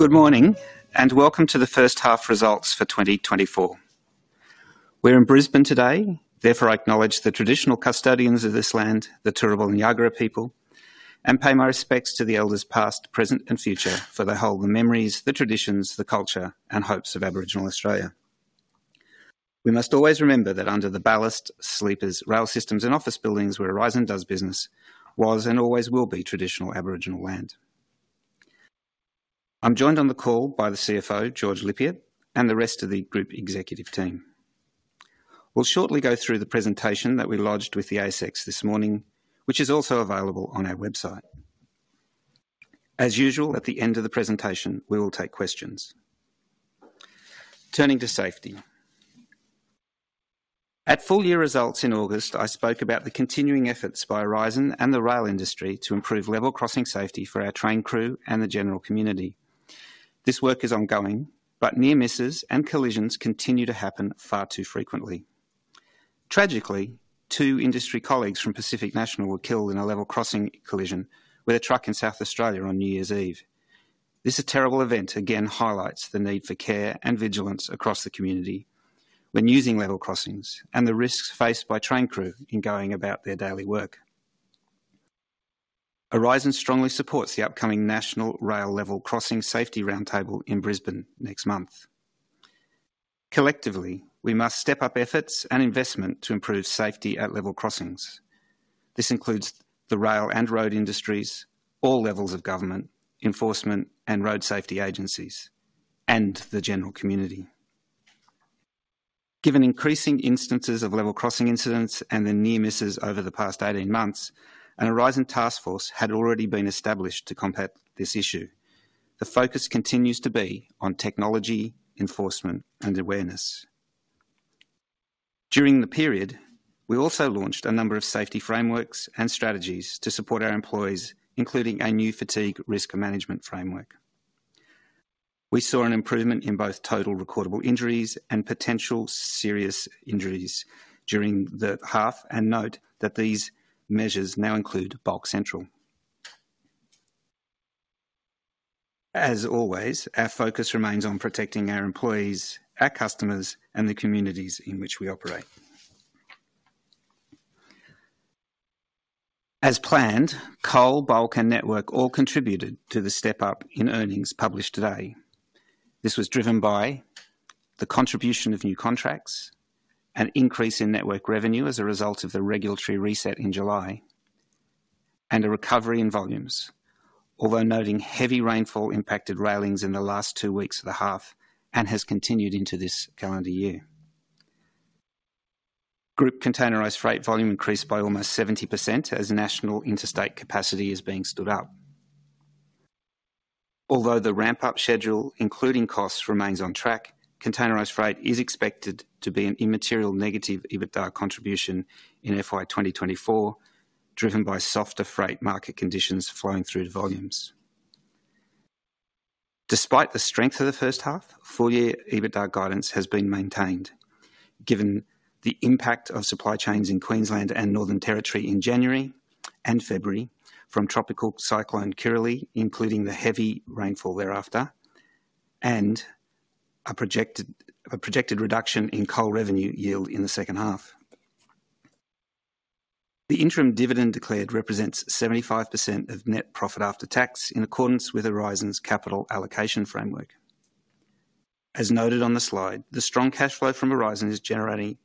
Good morning, and welcome to the first half results for 2024. We're in Brisbane today, therefore, I acknowledge the traditional custodians of this land, the Turrbal Niagara people, and pay my respects to the elders past, present, and future for the whole, the memories, the traditions, the culture, and hopes of Aboriginal Australia. We must always remember that under the ballast, sleepers, rail systems, and office buildings where Aurizon does business was and always will be traditional Aboriginal land. I'm joined on the call by the CFO, George Lippiatt, and the rest of the group executive team. We'll shortly go through the presentation that we lodged with the ASX this morning, which is also available on our website. As usual, at the end of the presentation, we will take questions. Turning to safety. At full year results in August, I spoke about the continuing efforts by Aurizon and the rail industry to improve level crossing safety for our train crew and the general community. This work is ongoing, but near misses and collisions continue to happen far too frequently. Tragically, two industry colleagues from Pacific National were killed in a level crossing collision with a truck in South Australia on New Year's Eve. This terrible event again highlights the need for care and vigilance across the community when using level crossings and the risks faced by train crew in going about their daily work. Aurizon strongly supports the upcoming National Rail Level Crossing Safety Roundtable in Brisbane next month. Collectively, we must step up efforts and investment to improve safety at level crossings. This includes the rail and road industries, all levels of government, enforcement, and road safety agencies, and the general community. Given increasing instances of level crossing incidents and the near misses over the past 18 months, an Aurizon task force had already been established to combat this issue. The focus continues to be on technology, enforcement, and awareness. During the period, we also launched a number of safety frameworks and strategies to support our employees, including a new fatigue risk management framework. We saw an improvement in both total recordable injuries and potential serious injuries during the half and note that these measures now include Bulk Central. As always, our focus remains on protecting our employees, our customers, and the communities in which we operate. As planned, coal, bulk, and network all contributed to the step up in earnings published today. This was driven by the contribution of new contracts, an increase in network revenue as a result of the regulatory reset in July, and a recovery in volumes, although noting heavy rainfall impacted railings in the last two weeks of the half and has continued into this calendar year. Group containerized freight volume increased by almost 70% as national interstate capacity is being stood up. Although the ramp-up schedule, including costs, remains on track, containerized freight is expected to be an immaterial negative EBITDA contribution in FY 2024, driven by softer freight market conditions flowing through to volumes. Despite the strength of the first half, full year EBITDA guidance has been maintained, given the impact of supply chains in Queensland and Northern Territory in January and February from Tropical Cyclone Kirrily, including the heavy rainfall thereafter, and a projected reduction in coal revenue yield in the second half. The interim dividend declared represents 75% of net profit after tax in accordance with Aurizon's capital allocation framework. As noted on the slide, the strong cash flow generation from Aurizon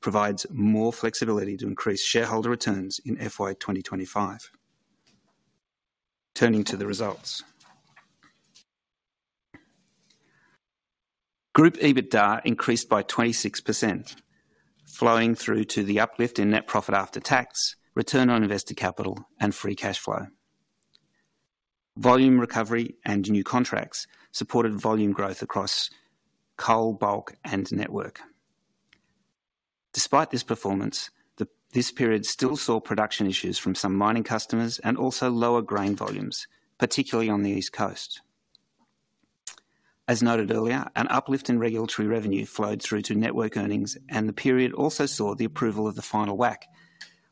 provides more flexibility to increase shareholder returns in FY 2025. Turning to the results. Group EBITDA increased by 26%, flowing through to the uplift in net profit after tax, return on invested capital, and free cash flow. Volume recovery and new contracts supported volume growth across coal, bulk, and network. Despite this performance, this period still saw production issues from some mining customers and also lower grain volumes, particularly on the East Coast. As noted earlier, an uplift in regulatory revenue flowed through to network earnings, and the period also saw the approval of the final WACC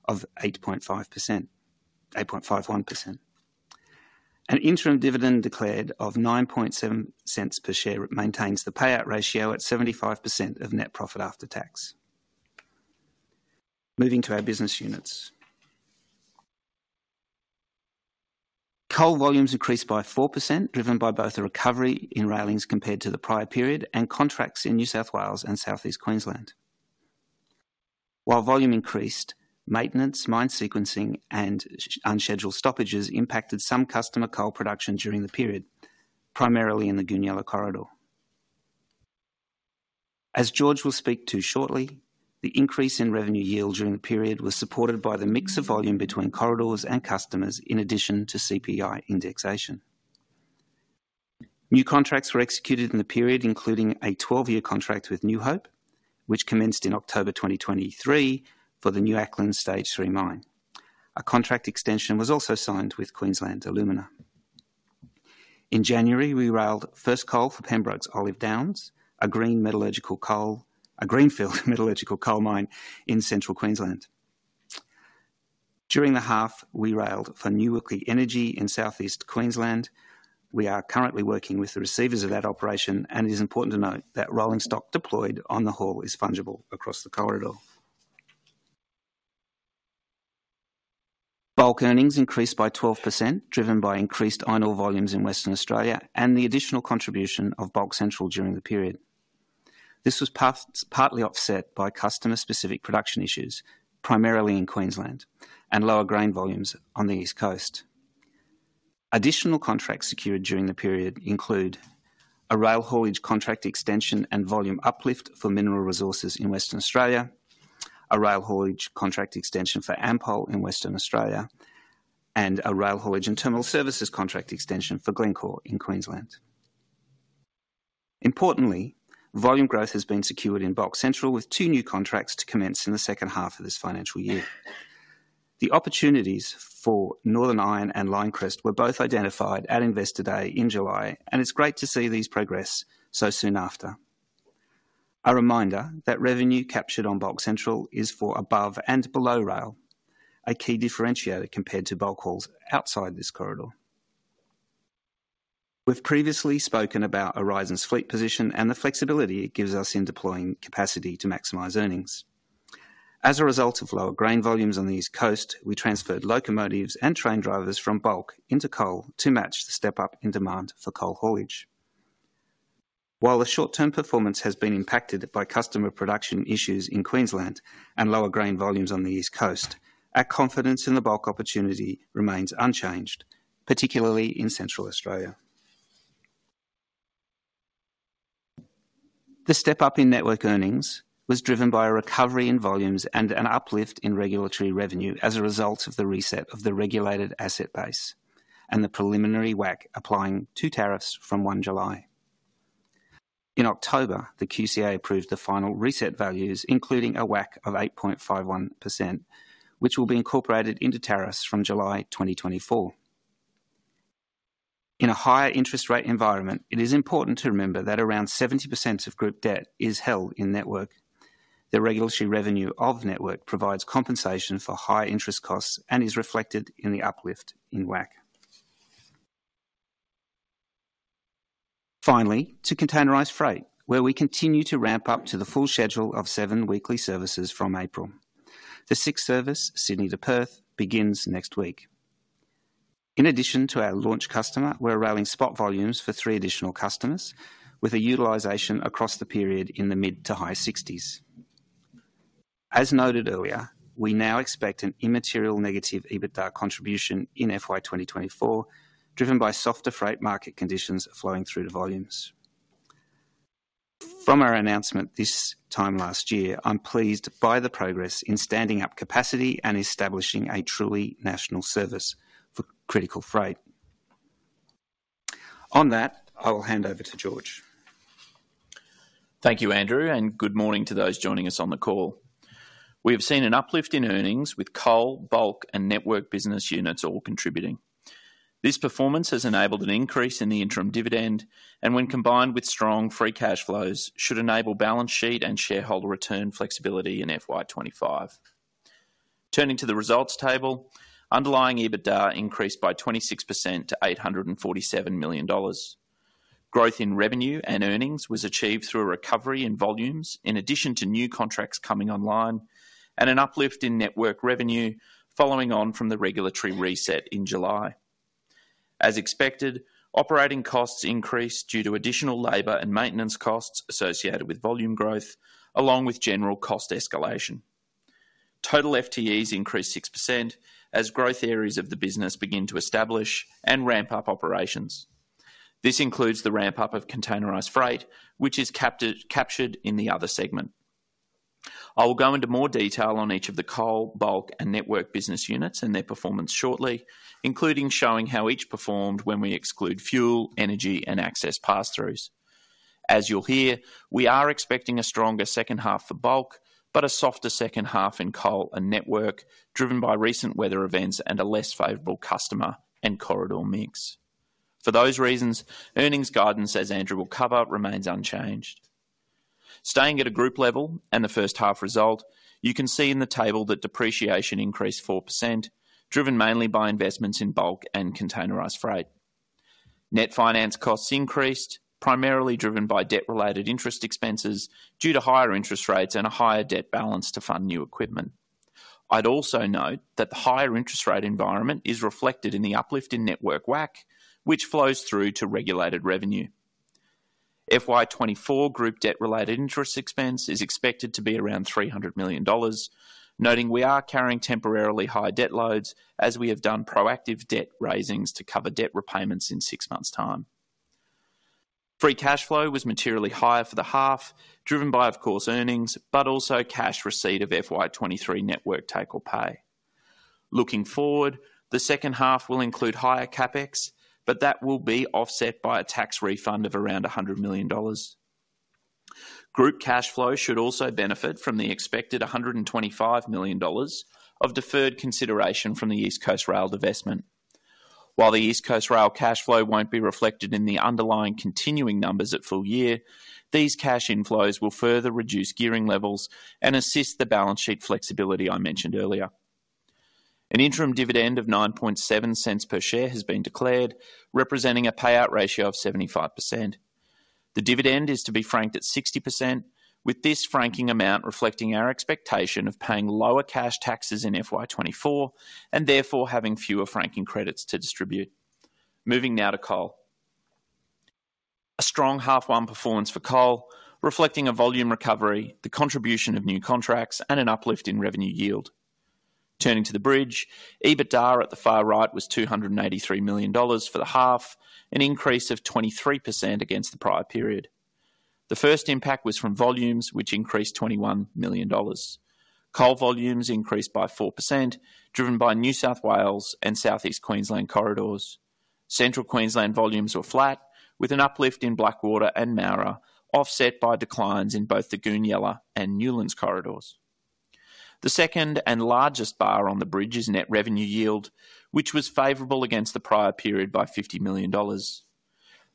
of 8.51%. An interim dividend declared of 0.097 per share maintains the payout ratio at 75% of net profit after tax. Moving to our business units. Coal volumes increased by 4%, driven by both a recovery in railings compared to the prior period and contracts in New South Wales and Southeast Queensland. While volume increased, maintenance, mine sequencing, and unscheduled stoppages impacted some customer coal production during the period, primarily in the Goonyella Corridor. As George will speak to shortly, the increase in revenue yield during the period was supported by the mix of volume between corridors and customers, in addition to CPI indexation. New contracts were executed in the period, including a 12-year contract with New Hope, which commenced in October 2023 for the New Acland Stage 3 mine. A contract extension was also signed with Queensland Alumina. In January, we railed first coal for Pembroke's Olive Downs, a greenfield metallurgical coal mine in Central Queensland. During the half, we railed for New Wilkie Energy in Southeast Queensland. We are currently working with the receivers of that operation, and it is important to note that rolling stock deployed on the haul is fungible across the corridor. Bulk earnings increased by 12%, driven by increased iron ore volumes in Western Australia and the additional contribution of Bulk Central during the period. This was partly offset by customer-specific production issues, primarily in Queensland, and lower grain volumes on the East Coast. Additional contracts secured during the period include a rail haulage contract extension and volume uplift for Mineral Resources in Western Australia, a rail haulage contract extension for Ampol in Western Australia, and a rail haulage and terminal services contract extension for Glencore in Queensland. Importantly, volume growth has been secured in Bulk Central with two new contracts to commence in the second half of this financial year. The opportunities for Northern Iron and Linecrest were both identified at Investor Day in July, and it's great to see these progress so soon after. A reminder that revenue captured on Bulk Central is for above and below rail, a key differentiator compared to bulk hauls outside this corridor. We've previously spoken about Aurizon's fleet position and the flexibility it gives us in deploying capacity to maximize earnings. As a result of lower grain volumes on the East Coast, we transferred locomotives and train drivers from bulk into coal to match the step up in demand for coal haulage. While the short-term performance has been impacted by customer production issues in Queensland and lower grain volumes on the East Coast, our confidence in the bulk opportunity remains unchanged, particularly in central Australia. The step up in network earnings was driven by a recovery in volumes and an uplift in regulatory revenue as a result of the reset of the regulated asset base and the preliminary WACC applying two tariffs from 1 July. In October, the QCA approved the final reset values, including a WACC of 8.51%, which will be incorporated into tariffs from July 2024. In a higher interest rate environment, it is important to remember that around 70% of group debt is held in network. The regulatory revenue of network provides compensation for high interest costs and is reflected in the uplift in WACC. Finally, to containerized freight, where we continue to ramp up to the full schedule of seven weekly services from April. The sixth service, Sydney to Perth, begins next week. In addition to our launch customer, we're railing spot volumes for three additional customers with a utilization across the period in the mid- to high-60s. As noted earlier, we now expect an immaterial negative EBITDA contribution in FY 2024, driven by softer freight market conditions flowing through to volumes. From our announcement this time last year, I'm pleased by the progress in standing up capacity and establishing a truly national service for critical freight. On that, I will hand over to George. Thank you, Andrew, and good morning to those joining us on the call. We have seen an uplift in earnings with coal, bulk, and network business units all contributing. This performance has enabled an increase in the interim dividend and, when combined with strong free cash flows, should enable balance sheet and shareholder return flexibility in FY 2025. Turning to the results table, underlying EBITDA increased by 26% to 847 million dollars. Growth in revenue and earnings was achieved through a recovery in volumes, in addition to new contracts coming online, and an uplift in network revenue following on from the regulatory reset in July. As expected, operating costs increased due to additional labor and maintenance costs associated with volume growth, along with general cost escalation. Total FTEs increased 6% as growth areas of the business begin to establish and ramp up operations. This includes the ramp up of containerized freight, which is captured in the other segment. I will go into more detail on each of the coal, bulk, and network business units and their performance shortly, including showing how each performed when we exclude fuel, energy, and access pass-throughs. As you'll hear, we are expecting a stronger second half for bulk, but a softer second half in coal and network, driven by recent weather events and a less favorable customer and corridor mix. For those reasons, earnings guidance, as Andrew will cover, remains unchanged. Staying at a group level and the first half result, you can see in the table that depreciation increased 4%, driven mainly by investments in bulk and containerized freight. Net finance costs increased, primarily driven by debt-related interest expenses due to higher interest rates and a higher debt balance to fund new equipment. I'd also note that the higher interest rate environment is reflected in the uplift in network WACC, which flows through to regulated revenue. FY 2024 group debt-related interest expense is expected to be around 300 million dollars, noting we are carrying temporarily high debt loads as we have done proactive debt raisings to cover debt repayments in six months' time. Free cash flow was materially higher for the half, driven by, of course, earnings, but also cash receipt of FY 2023 network take or pay. Looking forward, the second half will include higher CapEx, but that will be offset by a tax refund of around 100 million dollars. Group cash flow should also benefit from the expected 125 million dollars of deferred consideration from the East Coast Rail divestment. While the East Coast Rail cash flow won't be reflected in the underlying continuing numbers at full year, these cash inflows will further reduce gearing levels and assist the balance sheet flexibility I mentioned earlier. An interim dividend of 0.097 per share has been declared, representing a payout ratio of 75%. The dividend is to be franked at 60%, with this franking amount reflecting our expectation of paying lower cash taxes in FY 2024 and therefore having fewer franking credits to distribute. Moving now to coal. A strong half one performance for coal, reflecting a volume recovery, the contribution of new contracts, and an uplift in revenue yield. Turning to the bridge, EBITDA at the far right was 283 million dollars for the half, an increase of 23% against the prior period. The first impact was from volumes, which increased 21 million dollars. Coal volumes increased by 4%, driven by New South Wales and Southeast Queensland corridors. Central Queensland volumes were flat, with an uplift in Blackwater and Moura, offset by declines in both the Goonyella and Newlands corridors. The second and largest bar on the bridge is net revenue yield, which was favorable against the prior period by 50 million dollars.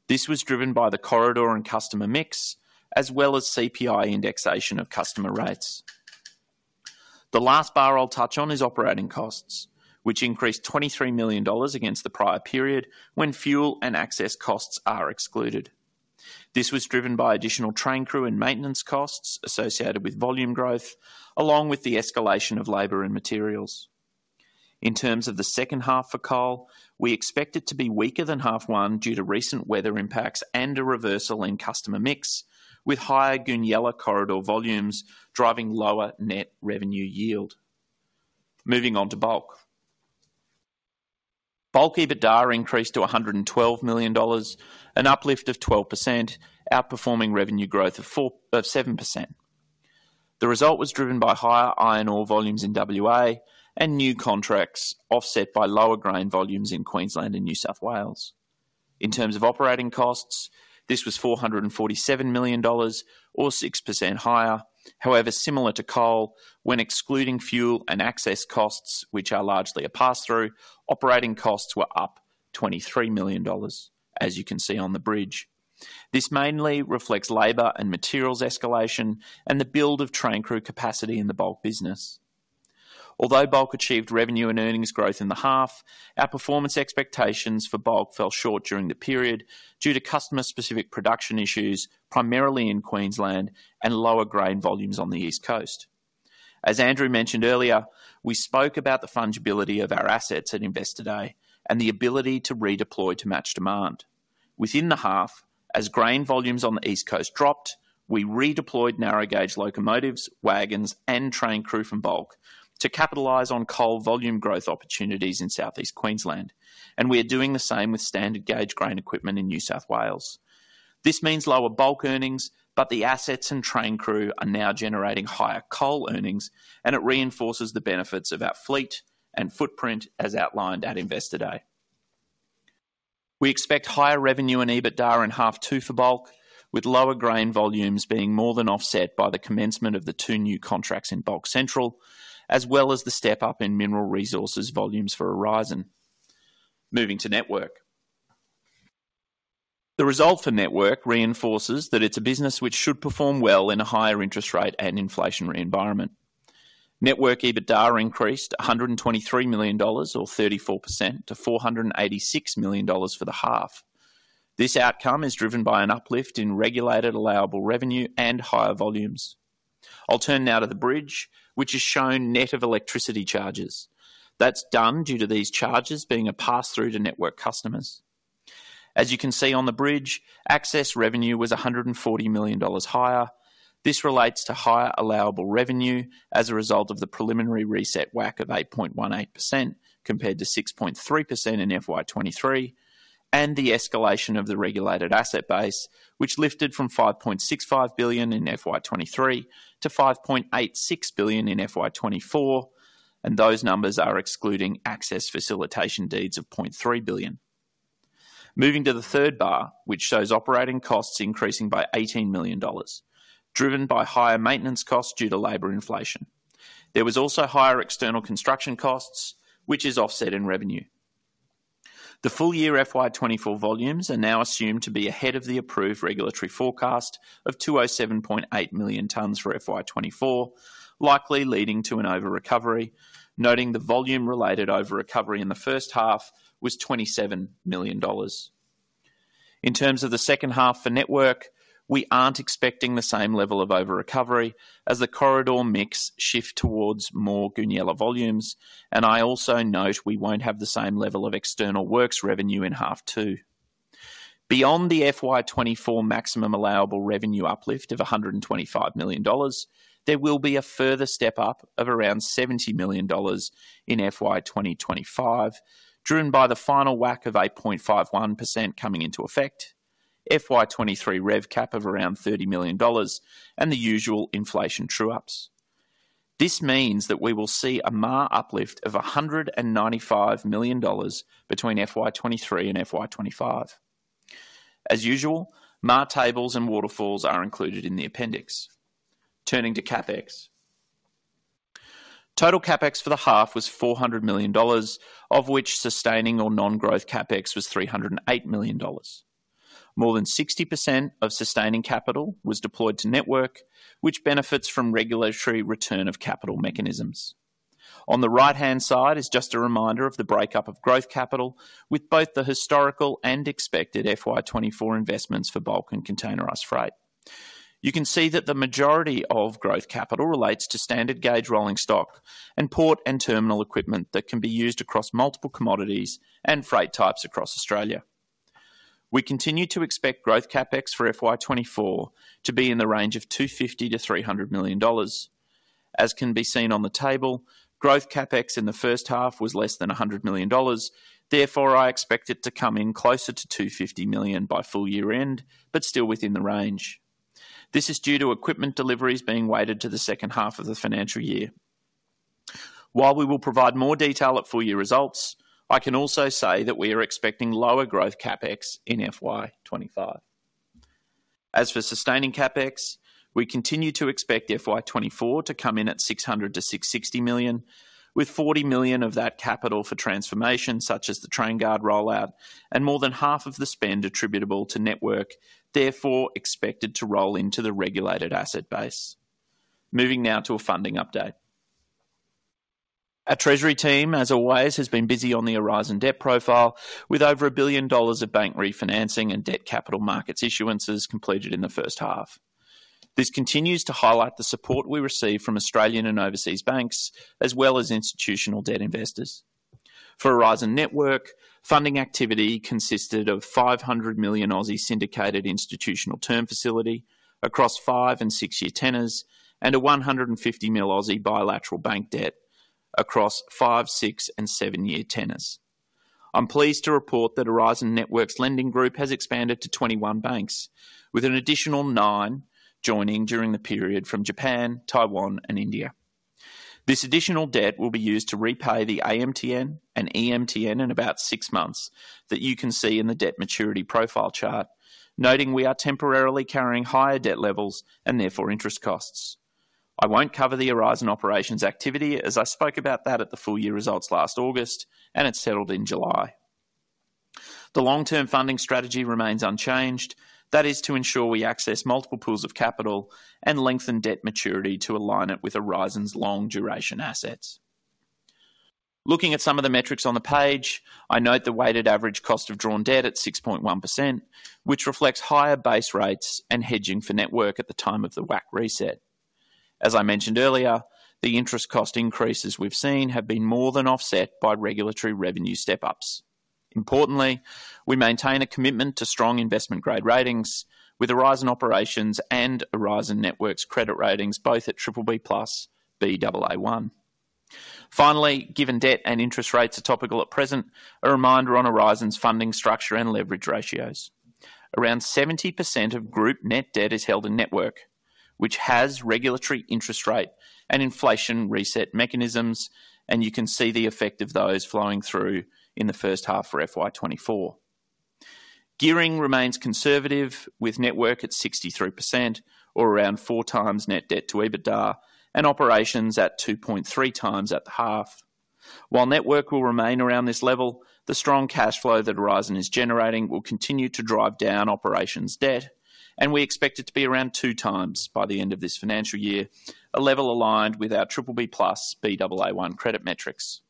This was driven by the corridor and customer mix, as well as CPI indexation of customer rates. The last bar I'll touch on is operating costs, which increased 23 million dollars against the prior period when fuel and access costs are excluded. This was driven by additional train crew and maintenance costs associated with volume growth, along with the escalation of labor and materials. In terms of the second half for coal, we expect it to be weaker than half one due to recent weather impacts and a reversal in customer mix, with higher Goonyella corridor volumes driving lower net revenue yield. Moving on to bulk. Bulk EBITDA increased to 112 million dollars, an uplift of 12%, outperforming revenue growth of 7%. The result was driven by higher iron ore volumes in WA and new contracts offset by lower grain volumes in Queensland and New South Wales. In terms of operating costs, this was 447 million dollars, or 6% higher. However, similar to coal, when excluding fuel and access costs, which are largely a pass-through, operating costs were up 23 million dollars, as you can see on the bridge. This mainly reflects labor and materials escalation and the build of train crew capacity in the bulk business. Although bulk achieved revenue and earnings growth in the half, our performance expectations for bulk fell short during the period due to customer-specific production issues, primarily in Queensland, and lower grain volumes on the East Coast. As Andrew mentioned earlier, we spoke about the fungibility of our assets at Investor Day and the ability to redeploy to match demand. Within the half, as grain volumes on the East Coast dropped, we redeployed narrow gauge locomotives, wagons, and train crew from bulk to capitalize on coal volume growth opportunities in Southeast Queensland, and we are doing the same with standard gauge grain equipment in New South Wales. This means lower bulk earnings, but the assets and train crew are now generating higher coal earnings, and it reinforces the benefits of our fleet and footprint as outlined at Investor Day. We expect higher revenue and EBITDA in half two for bulk, with lower grain volumes being more than offset by the commencement of the two new contracts in Bulk Central, as well as the step up in Mineral Resources volumes for Aurizon. Moving to network. The result for network reinforces that it's a business which should perform well in a higher interest rate and inflationary environment. Network EBITDA increased 123 million dollars, or 34%, to 486 million dollars for the half. This outcome is driven by an uplift in regulated allowable revenue and higher volumes. I'll turn now to the bridge, which has shown net of electricity charges. That's done due to these charges being a pass-through to network customers. As you can see on the bridge, access revenue was 140 million dollars higher. This relates to higher allowable revenue as a result of the preliminary reset WACC of 8.18% compared to 6.3% in FY 2023 and the escalation of the regulated asset base, which lifted from 5.65 billion in FY 2023 to 5.86 billion in FY 2024, and those numbers are excluding access facilitation deeds of 0.3 billion. Moving to the third bar, which shows operating costs increasing by 18 million dollars, driven by higher maintenance costs due to labor inflation. There was also higher external construction costs, which is offset in revenue. The full year FY 2024 volumes are now assumed to be ahead of the approved regulatory forecast of 207.8 million tonnes for FY 2024, likely leading to an over-recovery, noting the volume-related over-recovery in the first half was 27 million dollars. In terms of the second half for network, we aren't expecting the same level of over-recovery as the corridor mix shift towards more Goonyella volumes, and I also note we won't have the same level of external works revenue in half two. Beyond the FY 2024 maximum allowable revenue uplift of 125 million dollars, there will be a further step up of around 70 million dollars in FY 2025, driven by the final WACC of 8.51% coming into effect, FY 2023 rev cap of around AUD 30 million, and the usual inflation true-ups. This means that we will see a MAR uplift of 195 million dollars between FY 2023 and FY 2025. As usual, MAR tables and waterfalls are included in the appendix. Turning to CapEx. Total CapEx for the half was 400 million dollars, of which sustaining or non-growth CapEx was 308 million dollars. More than 60% of sustaining capital was deployed to network, which benefits from regulatory return of capital mechanisms. On the right-hand side is just a reminder of the breakdown of growth capital, with both the historical and expected FY 2024 investments for bulk and containerized freight. You can see that the majority of growth capital relates to standard gauge rolling stock and port and terminal equipment that can be used across multiple commodities and freight types across Australia. We continue to expect growth CapEx for FY 2024 to be in the range of 250 million-300 million dollars. As can be seen on the table, growth CapEx in the first half was less than 100 million dollars. Therefore, I expect it to come in closer to 250 million by full year end, but still within the range. This is due to equipment deliveries being weighted to the second half of the financial year. While we will provide more detail at full year results, I can also say that we are expecting lower growth CapEx in FY 2025. As for sustaining CapEx, we continue to expect FY 2024 to come in at 600 million-660 million, with 40 million of that capital for transformation, such as the Trainguard rollout, and more than half of the spend attributable to network, therefore expected to roll into the regulated asset base. Moving now to a funding update. Our treasury team, as always, has been busy on the Aurizon debt profile, with over 1 billion dollars of bank refinancing and debt capital markets issuances completed in the first half. This continues to highlight the support we receive from Australian and overseas banks, as well as institutional debt investors. For Aurizon Network, funding activity consisted of 500 million syndicated institutional term facility across 5- and 6-year tenors and a 150 million bilateral bank debt across 5-, 6-, and 7-year tenors. I'm pleased to report that Aurizon Network's lending group has expanded to 21 banks, with an additional nine joining during the period from Japan, Taiwan, and India. This additional debt will be used to repay the AMTN and EMTN in about six months that you can see in the debt maturity profile chart, noting we are temporarily carrying higher debt levels and therefore interest costs. I won't cover the Aurizon operations activity, as I spoke about that at the full year results last August, and it's settled in July. The long-term funding strategy remains unchanged. That is to ensure we access multiple pools of capital and lengthen debt maturity to align it with Aurizon's long-duration assets. Looking at some of the metrics on the page, I note the weighted average cost of drawn debt at 6.1%, which reflects higher base rates and hedging for network at the time of the WACC reset. As I mentioned earlier, the interest cost increases we've seen have been more than offset by regulatory revenue step-ups. Importantly, we maintain a commitment to strong investment-grade ratings with Aurizon operations and Aurizon Network's credit ratings both at BBB+, Baa1. Finally, given debt and interest rates are topical at present, a reminder on Aurizon's funding structure and leverage ratios. Around 70% of group net debt is held in network, which has regulatory interest rate and inflation reset mechanisms, and you can see the effect of those flowing through in the first half for FY 2024. Gearing remains conservative, with network at 63%, or around 4x net debt to EBITDA, and operations at 2.3x at the half. While network will remain around this level, the strong cash flow that Aurizon is generating will continue to drive down operations debt, and we expect it to be around 2x by the end of this financial year, a level aligned with our BBB+, Baa1 credit metrics.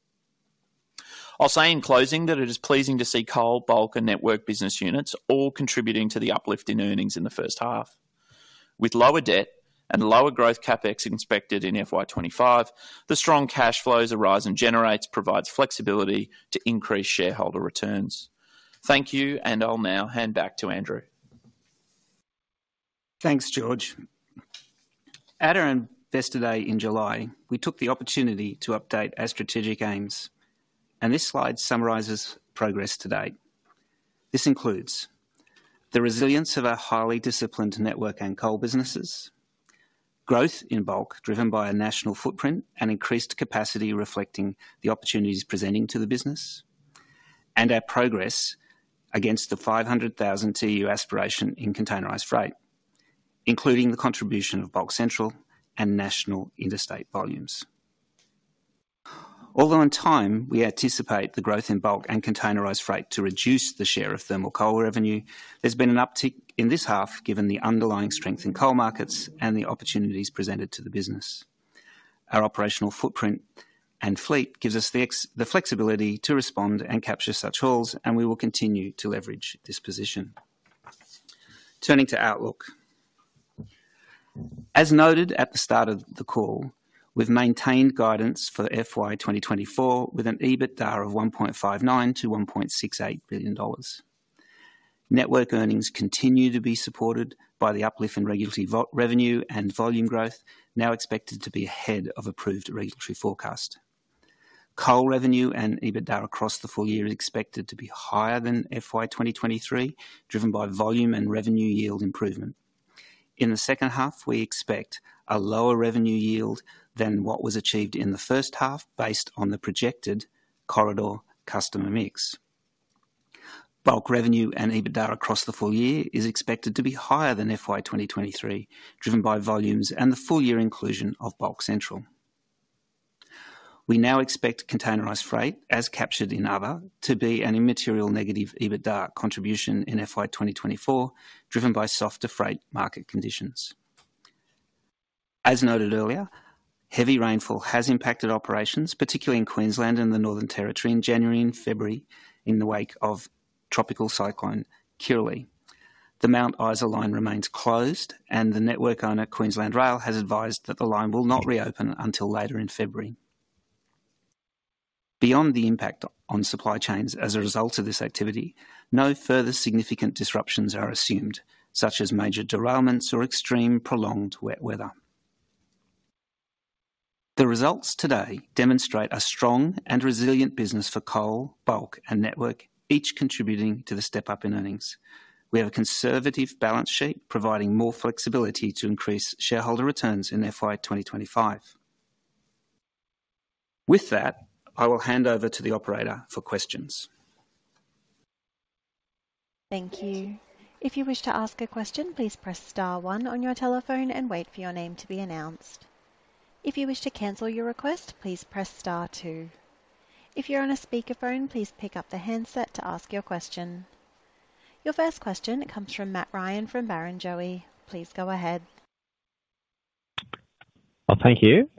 I'll say in closing that it is pleasing to see coal, bulk, and network business units all contributing to the uplift in earnings in the first half. With lower debt and lower growth CapEx expected in FY 2025, the strong cash flows Aurizon generates provide flexibility to increase shareholder returns. Thank you, and I'll now hand back to Andrew. Thanks, George. At our Investor Day in July, we took the opportunity to update our strategic aims, and this slide summarizes progress to date. This includes the resilience of our highly disciplined network and coal businesses, growth in bulk driven by a national footprint and increased capacity reflecting the opportunities presenting to the business, and our progress against the 500,000 TEU aspiration in containerized freight, including the contribution of Bulk Central and national interstate volumes. Although in time we anticipate the growth in bulk and containerized freight to reduce the share of thermal coal revenue, there's been an uptick in this half given the underlying strength in coal markets and the opportunities presented to the business. Our operational footprint and fleet gives us the flexibility to respond and capture such hauls, and we will continue to leverage this position. Turning to outlook. As noted at the start of the call, we've maintained guidance for FY 2024 with an EBITDA of 1.59 billion-1.68 billion dollars. Network earnings continue to be supported by the uplift in regulatory revenue and volume growth, now expected to be ahead of approved regulatory forecast. Coal revenue and EBITDA across the full year is expected to be higher than FY 2023, driven by volume and revenue yield improvement. In the second half, we expect a lower revenue yield than what was achieved in the first half based on the projected corridor customer mix. Bulk revenue and EBITDA across the full year is expected to be higher than FY 2023, driven by volumes and the full year inclusion of Bulk Central. We now expect containerized freight, as captured in ABA, to be an immaterial negative EBITDA contribution in FY 2024, driven by softer freight market conditions. As noted earlier, heavy rainfall has impacted operations, particularly in Queensland and the Northern Territory in January and February in the wake of Tropical Cyclone Kirrily. The Mount Isa line remains closed, and the network owner, Queensland Rail, has advised that the line will not reopen until later in February. Beyond the impact on supply chains as a result of this activity, no further significant disruptions are assumed, such as major derailments or extreme, prolonged wet weather. The results today demonstrate a strong and resilient business for coal, bulk, and network, each contributing to the step-up in earnings. We have a conservative balance sheet providing more flexibility to increase shareholder returns in FY 2025. With that, I will hand over to the operator for questions. Thank you. If you wish to ask a question, please press star one on your telephone and wait for your name to be announced. If you wish to cancel your request, please press star two. If you're on a speakerphone, please pick up the handset to ask your question. Your first question comes from Matt Ryan from Barrenjoey. Please go ahead. Well, thank you.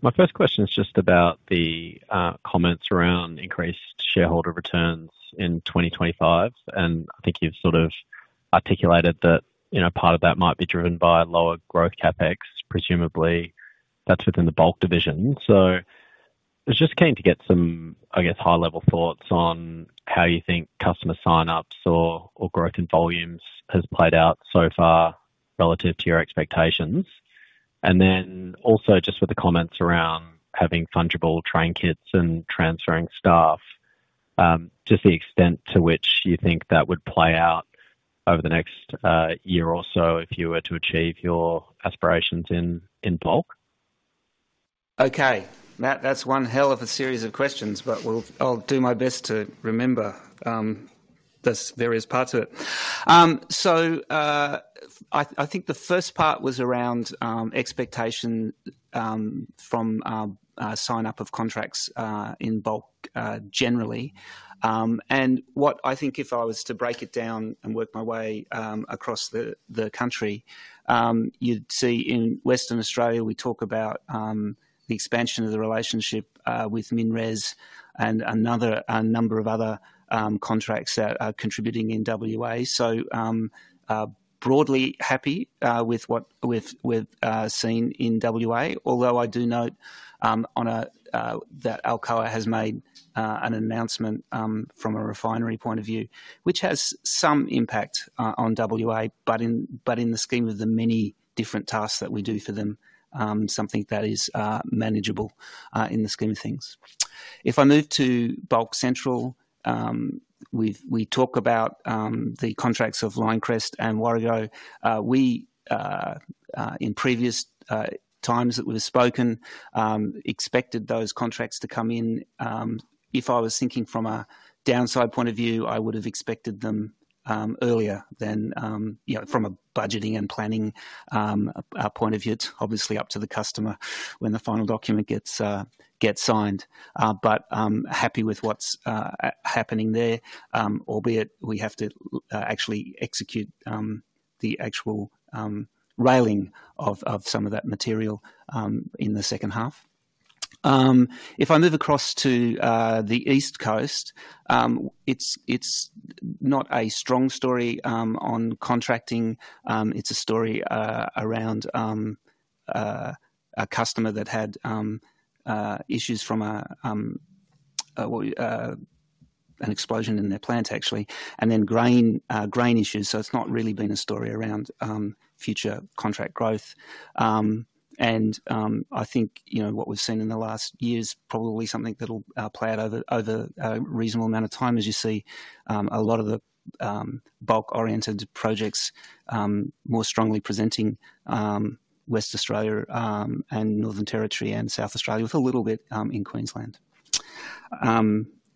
My first question's just about the comments around increased shareholder returns in 2025, and I think you've sort of articulated that part of that might be driven by lower growth CapEx. Presumably, that's within the Bulk division. So I was just keen to get some, I guess, high-level thoughts on how you think customer sign-ups or growth in volumes has played out so far relative to your expectations. And then also just with the comments around having fungible train kits and transferring staff, just the extent to which you think that would play out over the next year or so if you were to achieve your aspirations in Bulk. Okay. Matt, that's one hell of a series of questions, but I'll do my best to remember the various parts of it. So I think the first part was around expectation from sign-up of contracts in bulk generally. And what I think if I was to break it down and work my way across the country, you'd see in Western Australia, we talk about the expansion of the relationship with MinRes and a number of other contracts that are contributing in WA. So broadly happy with what we've seen in WA, although I do note that Alcoa has made an announcement from a refinery point of view, which has some impact on WA, but in the scheme of the many different tasks that we do for them, something that is manageable in the scheme of things. If I move to Bulk Central, we talk about the contracts of Linecrest and Warrego. We, in previous times that we've spoken, expected those contracts to come in. If I was thinking from a downside point of view, I would have expected them earlier than from a budgeting and planning point of view. It's obviously up to the customer when the final document gets signed. But happy with what's happening there, albeit we have to actually execute the actual railing of some of that material in the second half. If I move across to the East Coast, it's not a strong story on contracting. It's a story around a customer that had issues from an explosion in their plant, actually, and then grain issues. So it's not really been a story around future contract growth. I think what we've seen in the last year is probably something that'll play out over a reasonable amount of time, as you see a lot of the bulk-oriented projects more strongly presenting Western Australia and Northern Territory and South Australia, with a little bit in Queensland.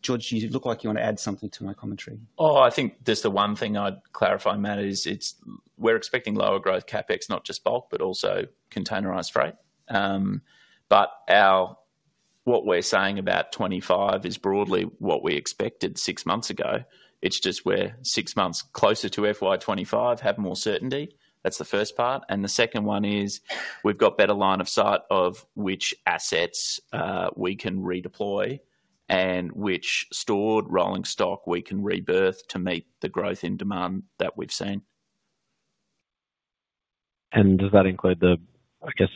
George, you look like you want to add something to my commentary. Oh, I think just the one thing I'd clarify, Matt, is we're expecting lower growth CapEx, not just bulk, but also containerized freight. But what we're saying about 2025 is broadly what we expected six months ago. It's just we're six months closer to FY 2025, have more certainty. That's the first part. And the second one is we've got better line of sight of which assets we can redeploy and which stored rolling stock we can rebirth to meet the growth in demand that we've seen. Does that include the, I guess,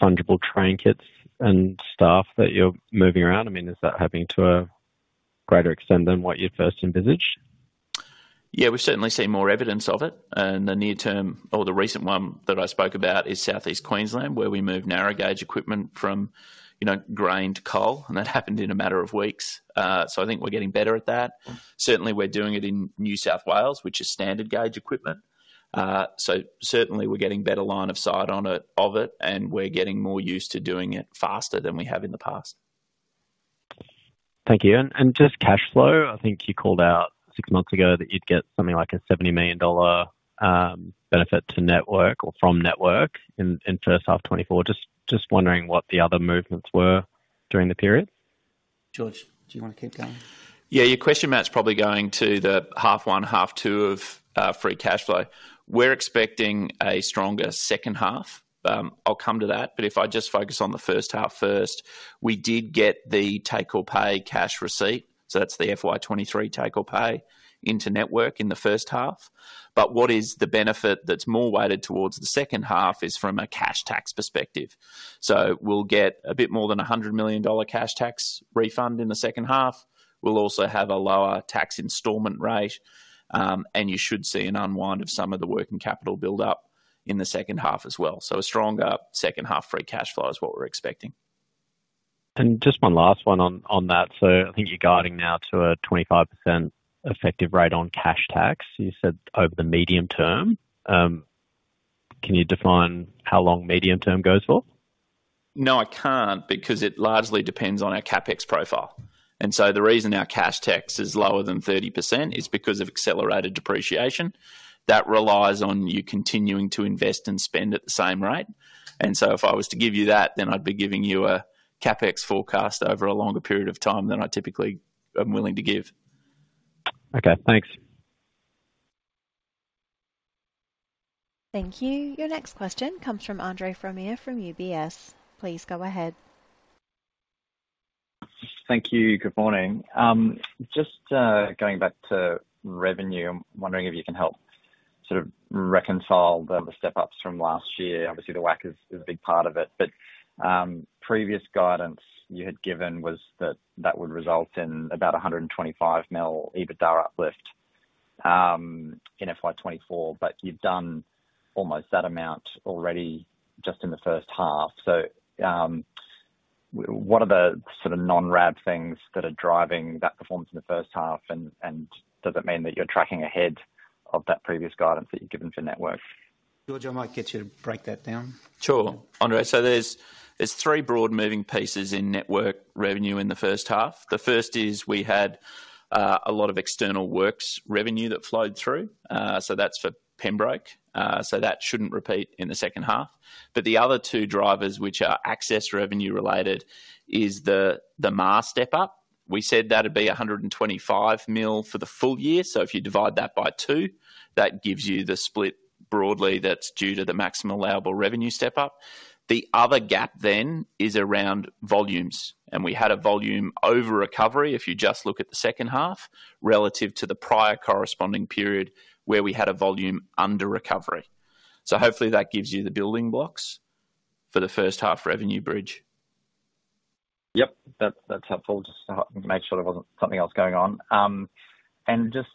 fungible train kits and staff that you're moving around? I mean, is that happening to a greater extent than what you'd first envisaged? Yeah, we've certainly seen more evidence of it. And the near-term or the recent one that I spoke about is Southeast Queensland, where we moved narrow gauge equipment from grain to coal, and that happened in a matter of weeks. So I think we're getting better at that. Certainly, we're doing it in New South Wales, which is standard gauge equipment. So certainly, we're getting better line of sight of it, and we're getting more used to doing it faster than we have in the past. Thank you. And just cash flow, I think you called out six months ago that you'd get something like 70 million dollar benefit to network or from network in first half 2024. Just wondering what the other movements were during the period. George, do you want to keep going? Yeah, your question, Matt's probably going to the half one, half two of free cash flow. We're expecting a stronger second half. I'll come to that. But if I just focus on the first half first, we did get the take-or-pay cash receipt. So that's the FY 2023 take-or-pay into network in the first half. But what is the benefit that's more weighted towards the second half is from a cash tax perspective. So we'll get a bit more than 100 million dollar cash tax refund in the second half. We'll also have a lower tax installment rate, and you should see an unwind of some of the working capital buildup in the second half as well. So a stronger second half free cash flow is what we're expecting. Just one last one on that. I think you're guiding now to a 25% effective rate on cash tax, you said, over the medium term. Can you define how long medium term goes for? No, I can't, because it largely depends on our CapEx profile. So the reason our cash tax is lower than 30% is because of accelerated depreciation that relies on you continuing to invest and spend at the same rate. So if I was to give you that, then I'd be giving you a CapEx forecast over a longer period of time than I typically am willing to give. Okay. Thanks. Thank you. Your next question comes from Andre Fromyhr from UBS. Please go ahead. Thank you. Good morning. Just going back to revenue, I'm wondering if you can help sort of reconcile the step-ups from last year. Obviously, the WACC is a big part of it. But previous guidance you had given was that that would result in about an 125 million EBITDA uplift in FY 2024, but you've done almost that amount already just in the first half. So what are the sort of non-RAB things that are driving that performance in the first half? And does it mean that you're tracking ahead of that previous guidance that you've given for network? George, I might get you to break that down. Sure. Andre, so there's three broad moving pieces in network revenue in the first half. The first is we had a lot of external works revenue that flowed through. So that's for Pembroke. So that shouldn't repeat in the second half. But the other two drivers, which are access revenue related, is the MAR step-up. We said that would be 125 million for the full year. So if you divide that by two, that gives you the split broadly that's due to the maximum allowable revenue step-up. The other gap then is around volumes. And we had a volume over recovery, if you just look at the second half, relative to the prior corresponding period where we had a volume under recovery. So hopefully, that gives you the building blocks for the first half revenue bridge. Yep. That's helpful. Just to make sure there wasn't something else going on. And just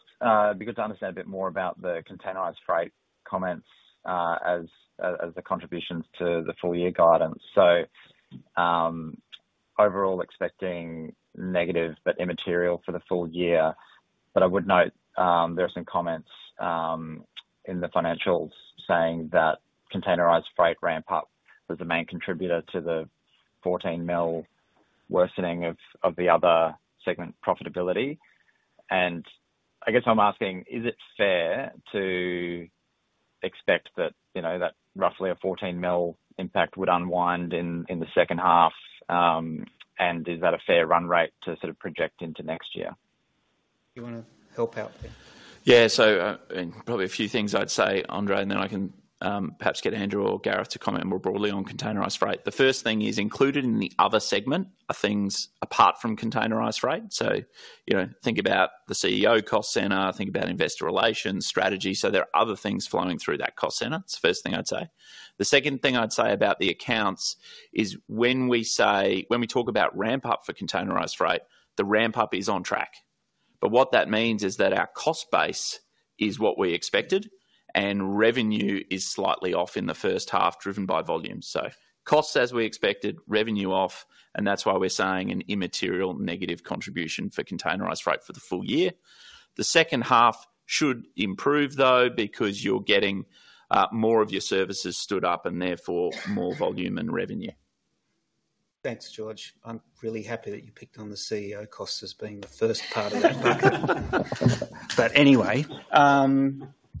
be good to understand a bit more about the containerized freight comments as the contributions to the full year guidance. So overall, expecting negative but immaterial for the full year. But I would note there are some comments in the financials saying that containerized freight ramp-up was the main contributor to the 14 million worsening of the other segment profitability. And I guess I'm asking, is it fair to expect that roughly a 14 million impact would unwind in the second half? And is that a fair run rate to sort of project into next year? You want to help out there? Yeah. So probably a few things I'd say, Andre, and then I can perhaps get Andrew or Gareth to comment more broadly on containerized freight. The first thing is, included in the other segment are things apart from containerized freight. So think about the CEO cost centre, think about investor relations, strategy. So there are other things flowing through that cost centre. It's the first thing I'd say. The second thing I'd say about the accounts is when we talk about ramp-up for containerized freight, the ramp-up is on track. But what that means is that our cost base is what we expected, and revenue is slightly off in the first half, driven by volumes. So costs as we expected, revenue off, and that's why we're saying an immaterial negative contribution for containerized freight for the full year. The second half should improve, though, because you're getting more of your services stood up and therefore more volume and revenue. Thanks, George. I'm really happy that you picked on the CapEx costs as being the first part of that bucket. But anyway,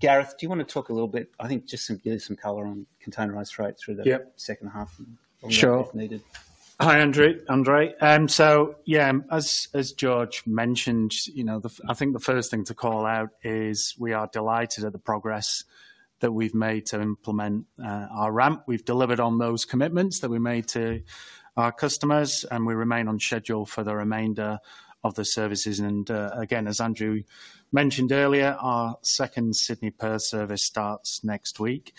Gareth, do you want to talk a little bit, I think, just to give you some color on containerized freight through the second half if needed? Sure. Hi, Andre. So yeah, as George mentioned, I think the first thing to call out is we are delighted at the progress that we've made to implement our ramp. We've delivered on those commitments that we made to our customers, and we remain on schedule for the remainder of the services. And again, as Andrew mentioned earlier, our second Sydney-Perth service starts next week.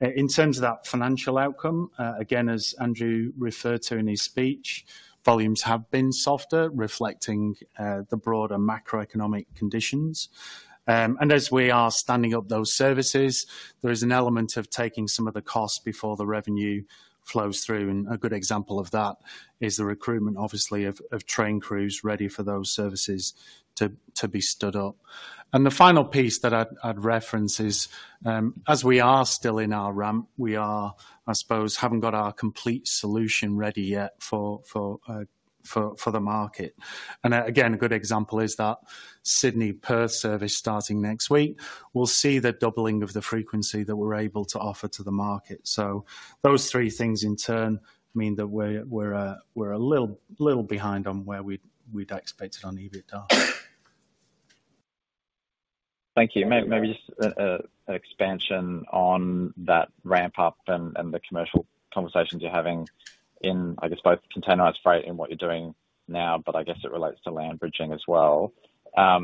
In terms of that financial outcome, again, as Andrew referred to in his speech, volumes have been softer, reflecting the broader macroeconomic conditions. And as we are standing up those services, there is an element of taking some of the costs before the revenue flows through. And a good example of that is the recruitment, obviously, of train crews ready for those services to be stood up. And the final piece that I'd reference is, as we are still in our ramp, we are, I suppose, haven't got our complete solution ready yet for the market. And again, a good example is that Sydney-Perth service starting next week, we'll see the doubling of the frequency that we're able to offer to the market. So those three things, in turn, mean that we're a little behind on where we'd expected on EBITDA. Thank you. Maybe just an expansion on that ramp-up and the commercial conversations you're having in, I guess, both containerized freight and what you're doing now, but I guess it relates to land bridging as well. There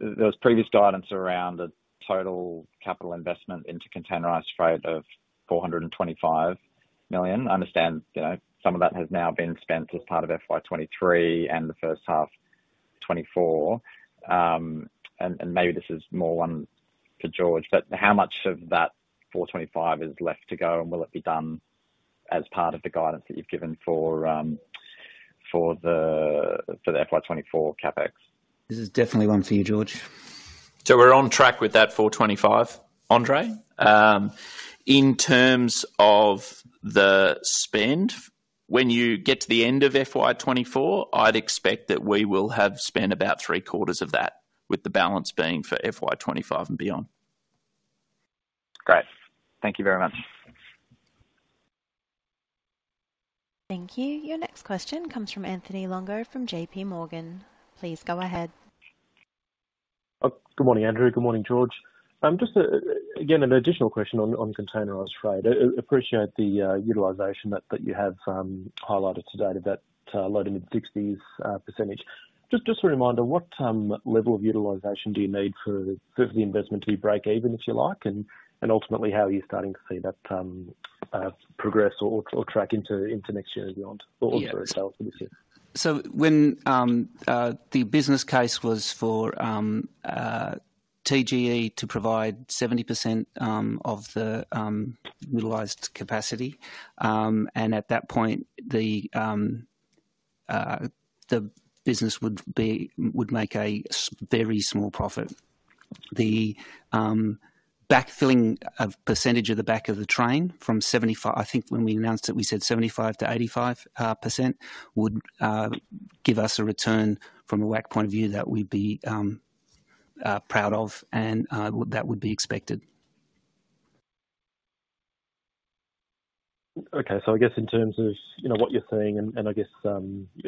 was previous guidance around a total capital investment into containerized freight of 425 million. I understand some of that has now been spent as part of FY 2023 and the first half 2024. And maybe this is more one for George, but how much of that 425 is left to go, and will it be done as part of the guidance that you've given for the FY 2024 CapEx? This is definitely one for you, George. We're on track with that 425, Andrea. In terms of the spend, when you get to the end of FY 2024, I'd expect that we will have spent about three-quarters of that, with the balance being for FY 2025 and beyond. Great. Thank you very much. Thank you. Your next question comes from Anthony Longo from JPMorgan. Please go ahead. Good morning, Andrew. Good morning, George. Again, an additional question on containerized freight. Appreciate the utilization that you have highlighted today to that low- to mid-60s%. Just a reminder, what level of utilization do you need for the investment to be break-even, if you like, and ultimately, how are you starting to see that progress or track into next year and beyond, or for sales for this year? When the business case was for TGE to provide 70% of the utilized capacity, and at that point, the business would make a very small profit. The backfilling percentage of the back of the train from 75 I think when we announced it, we said 75%-85% would give us a return from a WACC point of view that we'd be proud of, and that would be expected. Okay. So I guess in terms of what you're seeing and I guess sort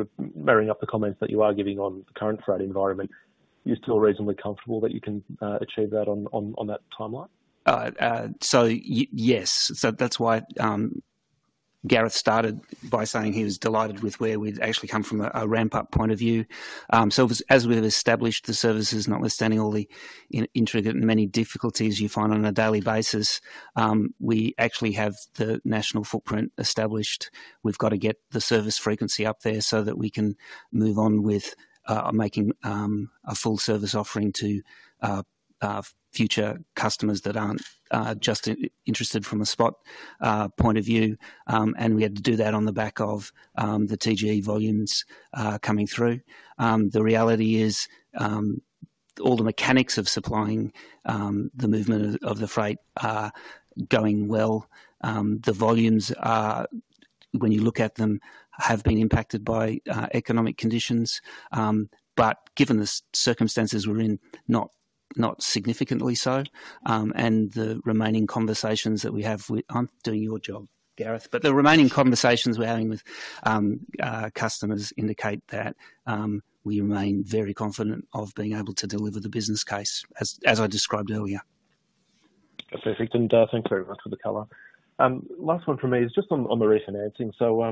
of marrying up the comments that you are giving on the current freight environment, you're still reasonably comfortable that you can achieve that on that timeline? So yes. So that's why Gareth started by saying he was delighted with where we'd actually come from a ramp-up point of view. So as we've established, the services notwithstanding all the intricate and many difficulties you find on a daily basis, we actually have the national footprint established. We've got to get the service frequency up there so that we can move on with making a full service offering to future customers that aren't just interested from a spot point of view. And we had to do that on the back of the TGE volumes coming through. The reality is all the mechanics of supplying the movement of the freight are going well. The volumes, when you look at them, have been impacted by economic conditions. But given the circumstances we're in, not significantly so. And the remaining conversations that we have aren't doing your job, Gareth. The remaining conversations we're having with customers indicate that we remain very confident of being able to deliver the business case, as I described earlier. Perfect. And thanks very much for the color. Last one for me is just on the refinancing. So I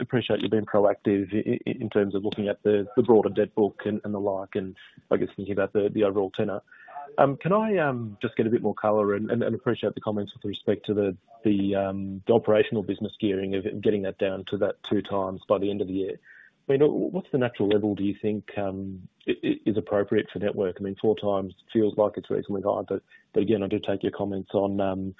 appreciate you being proactive in terms of looking at the broader debt book and the like and I guess thinking about the overall tenor. Can I just get a bit more color and appreciate the comments with respect to the operational business gearing of getting that down to that 2x by the end of the year? I mean, what's the natural level do you think is appropriate for network? I mean, 4x feels like it's reasonably high. But again, I do take your comments on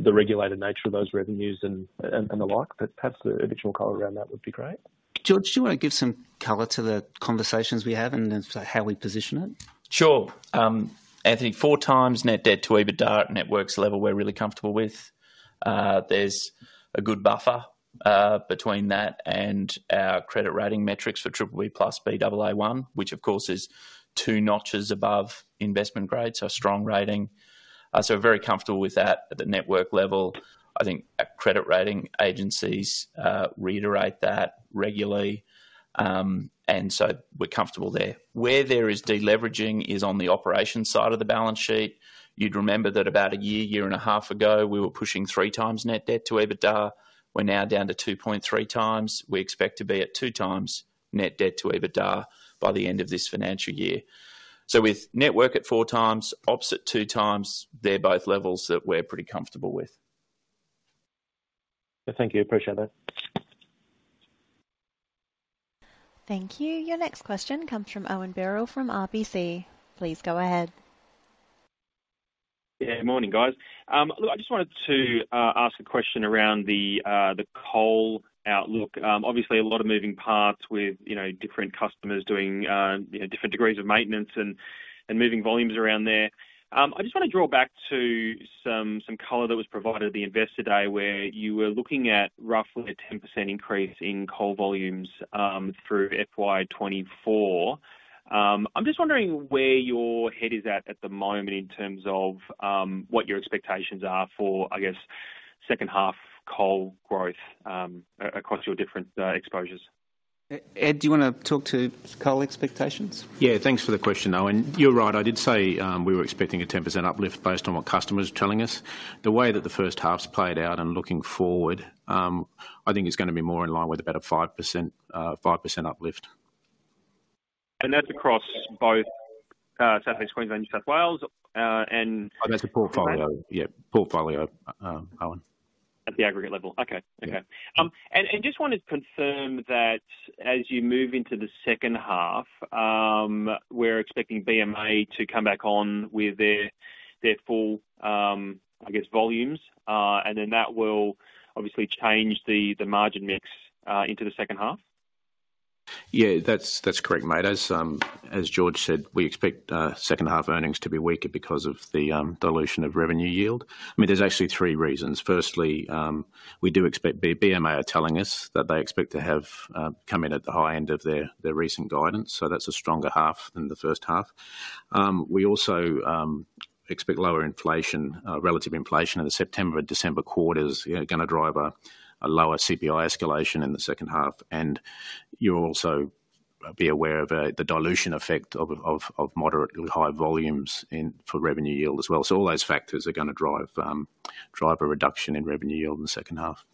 the regulated nature of those revenues and the like. But perhaps additional color around that would be great. George, do you want to give some color to the conversations we have and how we position it? Sure. Anthony, 4x net debt to EBITDA at networks level, we're really comfortable with. There's a good buffer between that and our credit rating metrics for BBB+, Baa1, which, of course, is 2 notches above investment grade, so a strong rating. So we're very comfortable with that at the network level. I think credit rating agencies reiterate that regularly. And so we're comfortable there. Where there is deleveraging is on the operations side of the balance sheet. You'd remember that about a year, year and a half ago, we were pushing 3 times net debt to EBITDA. We're now down to 2.3x. We expect to be at 2x net debt to EBITDA by the end of this financial year. So with network at 4x, opposite 2x, they're both levels that we're pretty comfortable with. Thank you. Appreciate that. Thank you. Your next question comes from Owen Birrell from RBC. Please go ahead. Yeah. Good morning, guys. Look, I just wanted to ask a question around the coal outlook. Obviously, a lot of moving parts with different customers doing different degrees of maintenance and moving volumes around there. I just want to draw back to some color that was provided to the investor today where you were looking at roughly a 10% increase in coal volumes through FY 2024. I'm just wondering where your head is at at the moment in terms of what your expectations are for, I guess, second-half coal growth across your different exposures. Ed, do you want to talk to coal expectations? Yeah. Thanks for the question, Owen. You're right. I did say we were expecting a 10% uplift based on what customers were telling us. The way that the first half's played out and looking forward, I think it's going to be more in line with about a 5% uplift. That's across both Southeast Queensland and New South Wales and. Oh, that's a portfolio. Yeah. Portfolio, Owen. At the aggregate level. Okay. Okay. And just want to confirm that as you move into the second half, we're expecting BMA to come back on with their full, I guess, volumes. And then that will obviously change the margin mix into the second half? Yeah. That's correct, mate. As George said, we expect second-half earnings to be weaker because of the dilution of revenue yield. I mean, there's actually three reasons. Firstly, we do expect BMA are telling us that they expect to have come in at the high end of their recent guidance. So that's a stronger half than the first half. We also expect lower relative inflation in the September and December quarters going to drive a lower CPI escalation in the second half. And you'll also be aware of the dilution effect of moderately high volumes for revenue yield as well. So all those factors are going to drive a reduction in revenue yield in the second half.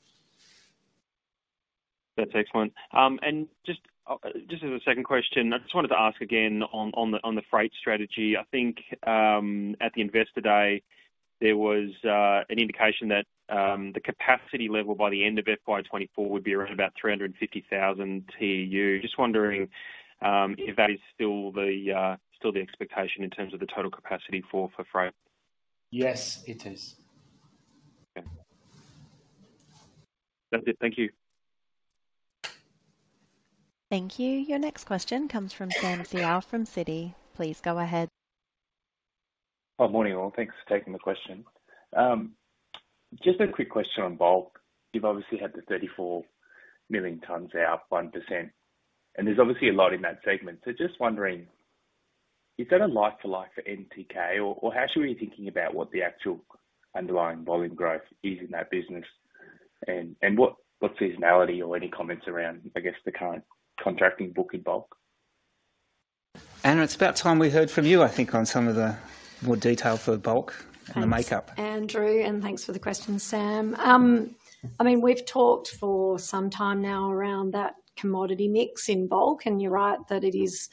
That's excellent. And just as a second question, I just wanted to ask again on the freight strategy. I think at the Investor Day, there was an indication that the capacity level by the end of FY 2024 would be around about 350,000 TEU. Just wondering if that is still the expectation in terms of the total capacity for freight. Yes, it is. Okay. That's it. Thank you. Thank you. Your next question comes from Samuel Seow from Citi. Please go ahead. Oh, morning, all. Thanks for taking the question. Just a quick question on bulk. You've obviously had the 34 million tonnes out, 1%. And there's obviously a lot in that segment. So just wondering, is that a like-for-like for NTK, or how should we be thinking about what the actual underlying volume growth is in that business? And what seasonality or any comments around, I guess, the current contracting book in bulk? Anna, it's about time we heard from you, I think, on some of the more detail for bulk and the makeup. Andrew, and thanks for the question, Sam. I mean, we've talked for some time now around that commodity mix in bulk. You're right that it is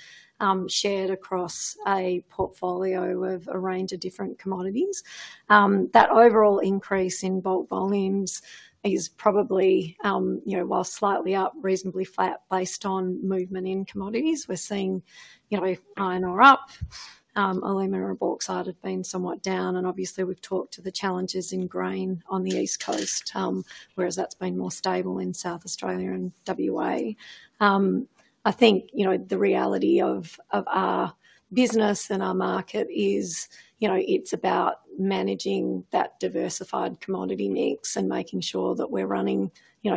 shared across a portfolio of a range of different commodities. That overall increase in bulk volumes is probably, while slightly up, reasonably flat based on movement in commodities. We're seeing iron ore up. Alumina and bauxite have been somewhat down. And obviously, we've talked to the challenges in grain on the East Coast, whereas that's been more stable in South Australia and WA. I think the reality of our business and our market is it's about managing that diversified commodity mix and making sure that we're running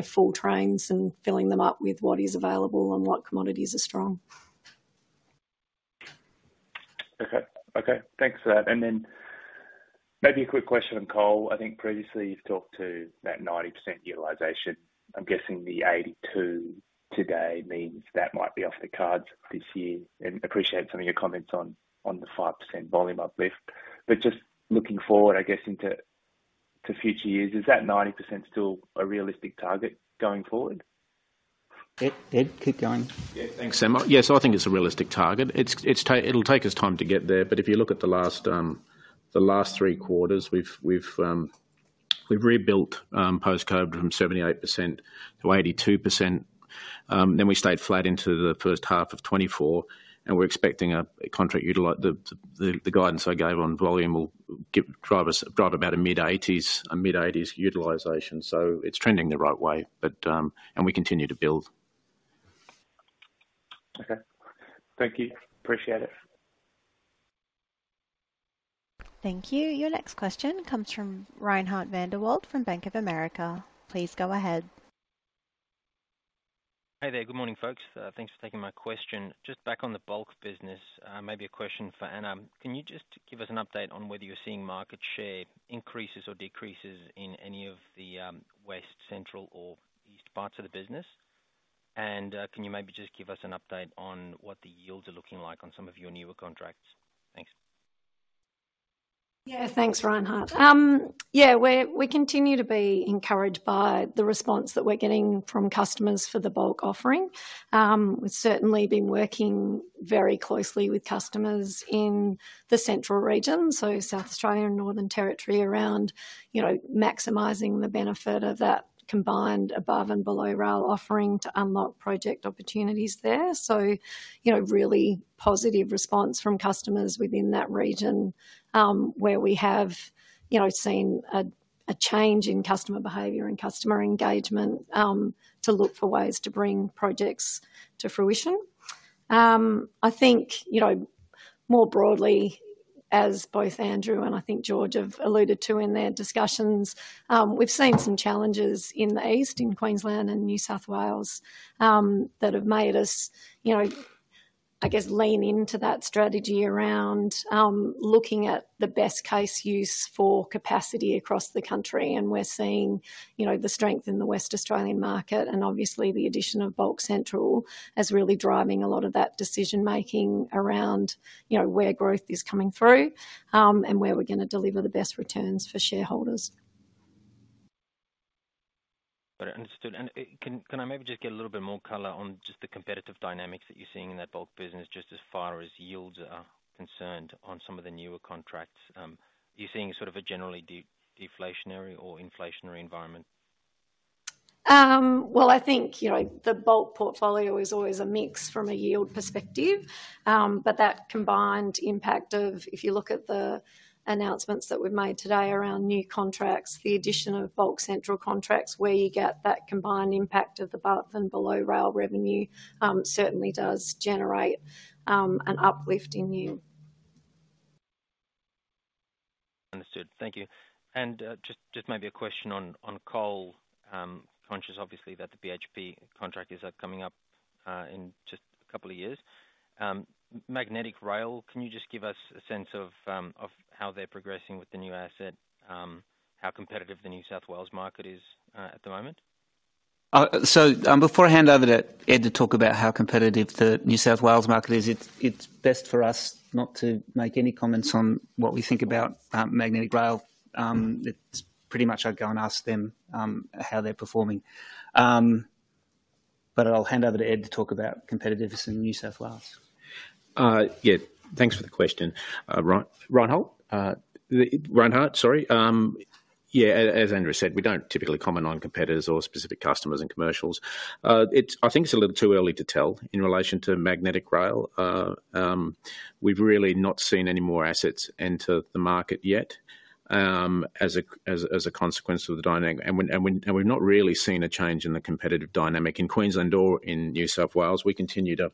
full trains and filling them up with what is available and what commodities are strong. Okay. Okay. Thanks for that. And then maybe a quick question on coal. I think previously, you've talked to that 90% utilisation. I'm guessing the 82% today means that might be off the cards this year. And appreciate some of your comments on the 5% volume uplift. But just looking forward, I guess, into future years, is that 90% still a realistic target going forward? Ed, keep going. Yeah. Thanks, Sam. Yes, I think it's a realistic target. It'll take us time to get there. But if you look at the last three quarters, we've rebuilt post-COVID from 78% to 82%. Then we stayed flat into the first half of 2024. And we're expecting the guidance I gave on volume will drive about a mid-80s utilization. So it's trending the right way, and we continue to build. Okay. Thank you. Appreciate it. Thank you. Your next question comes from Reinhardt van der Walt from Bank of America. Please go ahead. Hi there. Good morning, folks. Thanks for taking my question. Just back on the bulk business, maybe a question for Anna. Can you just give us an update on whether you're seeing market share increases or decreases in any of the west, central, or east parts of the business? And can you maybe just give us an update on what the yields are looking like on some of your newer contracts? Thanks. Yeah. Thanks, Reinhardt. Yeah. We continue to be encouraged by the response that we're getting from customers for the bulk offering. We've certainly been working very closely with customers in the central region, so South Australia and Northern Territory, around maximising the benefit of that combined above and below rail offering to unlock project opportunities there. So really positive response from customers within that region where we have seen a change in customer behaviour and customer engagement to look for ways to bring projects to fruition. I think more broadly, as both Andrew and I think George have alluded to in their discussions, we've seen some challenges in the east, in Queensland and New South Wales, that have made us, I guess, lean into that strategy around looking at the best-case use for capacity across the country. And we're seeing the strength in the Western Australian market and obviously the addition of Bulk Central as really driving a lot of that decision-making around where growth is coming through and where we're going to deliver the best returns for shareholders. Got it. Understood. Can I maybe just get a little bit more color on just the competitive dynamics that you're seeing in that bulk business just as far as yields are concerned on some of the newer contracts? Are you seeing sort of a generally deflationary or inflationary environment? Well, I think the bulk portfolio is always a mix from a yield perspective. But that combined impact of if you look at the announcements that we've made today around new contracts, the addition of Bulk Central contracts where you get that combined impact of the above and below rail revenue certainly does generate an uplift in yield. Understood. Thank you. And just maybe a question on coal. Conscious, obviously, that the BHP contract is coming up in just a couple of years. Magnetic Rail, can you just give us a sense of how they're progressing with the new asset, how competitive the New South Wales market is at the moment? So before I hand over to Ed to talk about how competitive the New South Wales market is, it's best for us not to make any comments on what we think about Magnetic Rail. It's pretty much I go and ask them how they're performing. But I'll hand over to Ed to talk about competitiveness in New South Wales. Yeah. Thanks for the question, Reinhardt. Reinhardt, sorry. Yeah. As Andrew said, we don't typically comment on competitors or specific customers and commercials. I think it's a little too early to tell in relation to Magnetic Rail. We've really not seen any more assets enter the market yet as a consequence of the dynamic. We've not really seen a change in the competitive dynamic. In Queensland or in New South Wales, we continue to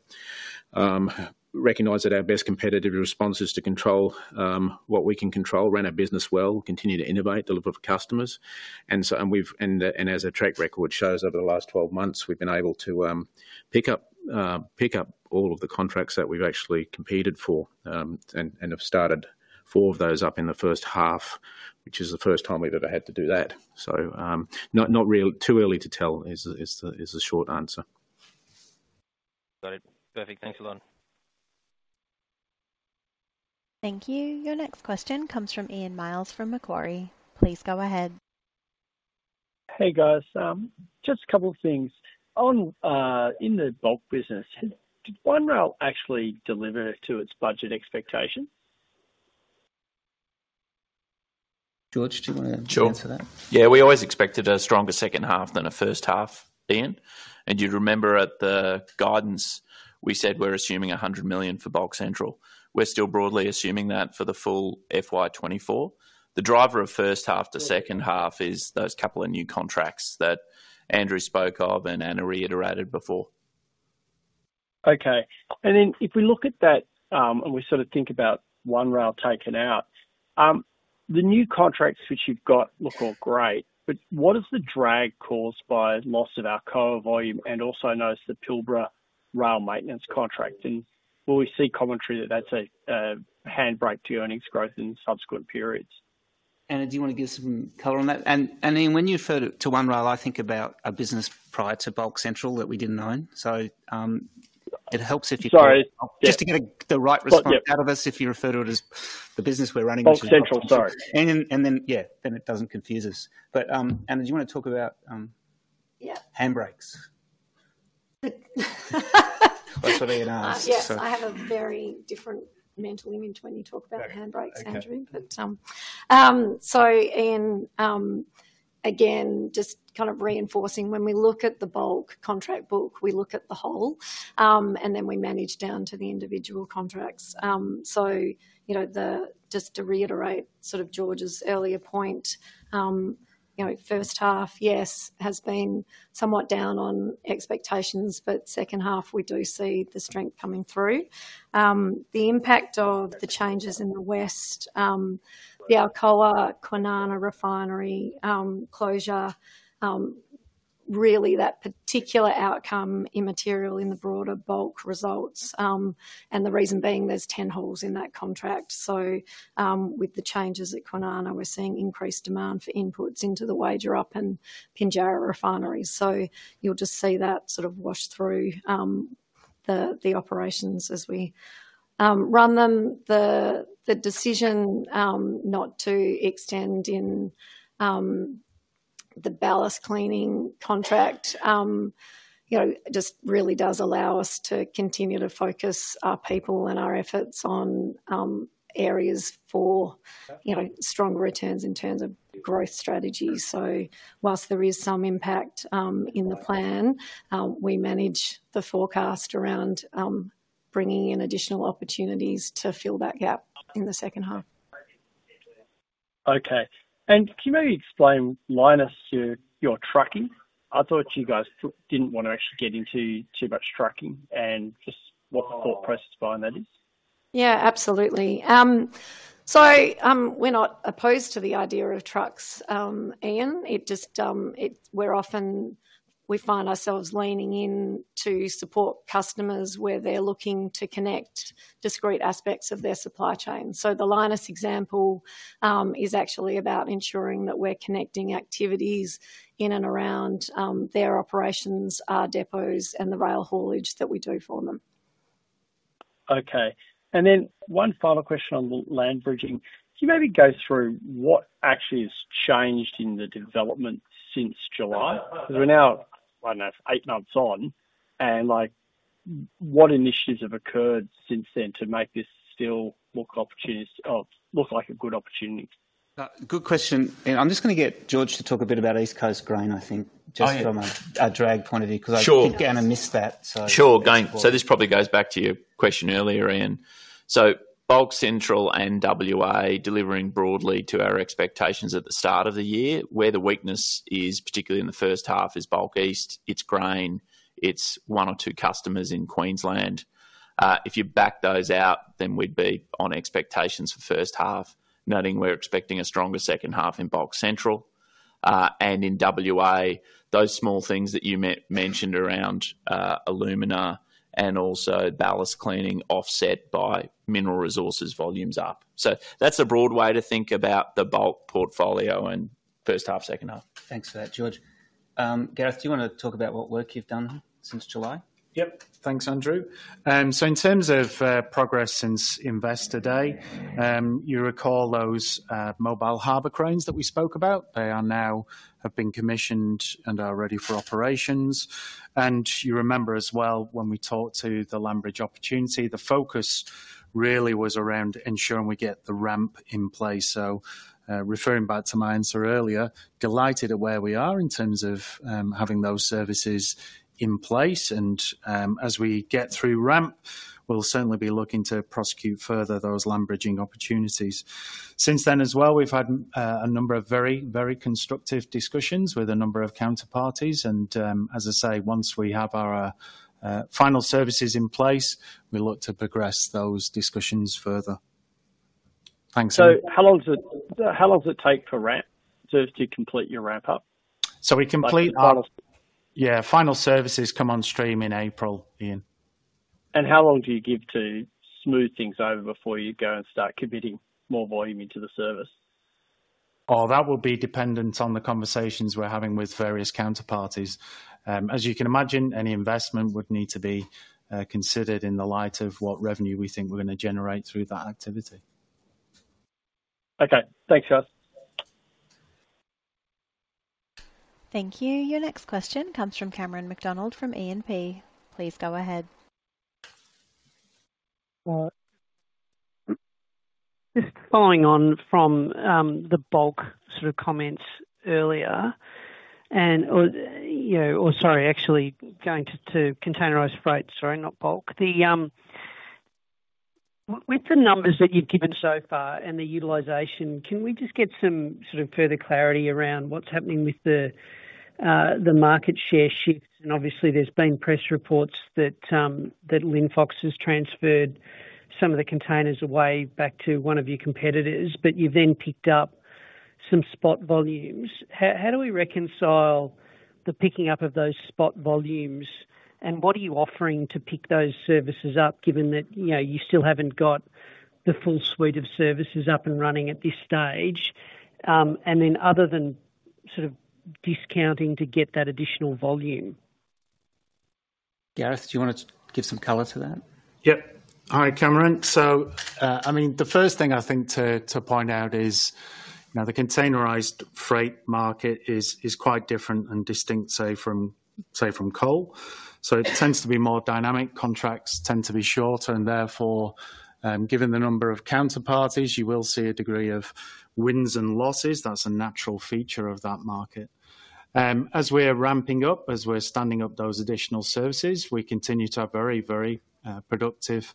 recognize that our best competitive response is to control what we can control, run our business well, continue to innovate, deliver for customers. As our track record shows over the last 12 months, we've been able to pick up all of the contracts that we've actually competed for and have started 4 of those up in the first half, which is the first time we've ever had to do that. Not too early to tell is the short answer. Got it. Perfect. Thanks a lot. Thank you. Your next question comes from Ian Myles from Macquarie. Please go ahead. Hey, guys. Just a couple of things. In the bulk business, did One Rail actually deliver to its budget expectation? George, do you want to answer that? Sure. Yeah. We always expected a stronger second half than a first half, Ian. And you'd remember at the guidance, we said we're assuming 100 million for Bulk Central. We're still broadly assuming that for the full FY 2024. The driver of first half to second half is those couple of new contracts that Andrew spoke of and Anna reiterated before. Okay. Then if we look at that and we sort of think about One Rail taken out, the new contracts which you've got look all great. But what is the drag caused by loss of our coal volume and also known as the Pilbara rail maintenance contract? And will we see commentary that that's a handbrake to earnings growth in subsequent periods? Anna, do you want to give some color on that? And Ian, when you refer to One Rail, I think about a business prior to Bulk Central that we didn't own. So it helps if you just to get the right response out of us if you refer to it as the business we're running into. Bulk Central, sorry. Then, yeah, then it doesn't confuse us. But Anna, do you want to talk about handbrakes? That's what Ian asked, so. Yeah. I have a very different mental image when you talk about handbrakes, Andrew. So Ian, again, just kind of reinforcing, when we look at the bulk contract book, we look at the whole, and then we manage down to the individual contracts. So just to reiterate sort of George's earlier point, first half, yes, has been somewhat down on expectations, but second half, we do see the strength coming through. The impact of the changes in the west, the Alcoa, Kwinana refinery closure, really that particular outcome immaterial in the broader bulk results. And the reason being there's 10 holes in that contract. So with the changes at Kwinana, we're seeing increased demand for inputs into the Wagerup and Pinjarra refineries. So you'll just see that sort of wash through the operations as we run them. The decision not to extend in the ballast cleaning contract just really does allow us to continue to focus our people and our efforts on areas for stronger returns in terms of growth strategy. While there is some impact in the plan, we manage the forecast around bringing in additional opportunities to fill that gap in the second half. Okay. Can you maybe explain, Lynas, your trucking? I thought you guys didn't want to actually get into too much trucking, and just what the thought process behind that is? Yeah. Absolutely. So we're not opposed to the idea of trucks, Ian. We're often, we find ourselves leaning in to support customers where they're looking to connect discrete aspects of their supply chain. So the Lynas example is actually about ensuring that we're connecting activities in and around their operations, our depots, and the rail haulage that we do for them. Okay. And then one final question on the land bridging. Can you maybe go through what actually has changed in the development since July? Because we're now, I don't know, eight months on. And what initiatives have occurred since then to make this still look like a good opportunity? Good question. And I'm just going to get George to talk a bit about East Coast grain, I think, just from a drag point of view because I think Anna missed that, so. Sure. So this probably goes back to your question earlier, Ian. So Bulk Central and WA delivering broadly to our expectations at the start of the year. Where the weakness is, particularly in the first half, is Bulk East. It's grain. It's one or two customers in Queensland. If you back those out, then we'd be on expectations for first half, noting we're expecting a stronger second half in Bulk Central. And in WA, those small things that you mentioned around alumina and also ballast cleaning offset by Mineral Resources volumes up. So that's a broad way to think about the bulk portfolio in first half, second half. Thanks for that, George. Gareth, do you want to talk about what work you've done since July? Yep. Thanks, Andrew. So in terms of progress since Investor Day, you recall those mobile harbor cranes that we spoke about? They have been commissioned and are ready for operations. And you remember as well when we talked to the land bridge opportunity, the focus really was around ensuring we get the ramp in place. So referring back to my answer earlier, delighted at where we are in terms of having those services in place. And as we get through ramp, we'll certainly be looking to prosecute further those land bridging opportunities. Since then as well, we've had a number of very, very constructive discussions with a number of counterparties. And as I say, once we have our final services in place, we look to progress those discussions further. Thanks, Andrew. How long does it take to complete your ramp up? So, we complete our final services come on stream in April, Ian. How long do you give to smooth things over before you go and start committing more volume into the service? Oh, that will be dependent on the conversations we're having with various counterparties. As you can imagine, any investment would need to be considered in the light of what revenue we think we're going to generate through that activity. Okay. Thanks, guys. Thank you. Your next question comes from Cameron McDonald from E&P. Please go ahead. Just following on from the bulk sort of comments earlier, sorry, actually going to containerized freight, sorry, not bulk. With the numbers that you've given so far and the utilization, can we just get some sort of further clarity around what's happening with the market share shift? And obviously, there's been press reports that Linfox has transferred some of the containers away back to one of your competitors, but you've then picked up some spot volumes. How do we reconcile the picking up of those spot volumes? And what are you offering to pick those services up given that you still haven't got the full suite of services up and running at this stage? And then other than sort of discounting to get that additional volume? Gareth, do you want to give some color to that? Yep. Hi, Cameron. So I mean, the first thing I think to point out is the containerized freight market is quite different and distinct, say, from coal. So it tends to be more dynamic. Contracts tend to be shorter. And therefore, given the number of counterparties, you will see a degree of wins and losses. That's a natural feature of that market. As we're ramping up, as we're standing up those additional services, we continue to have very, very productive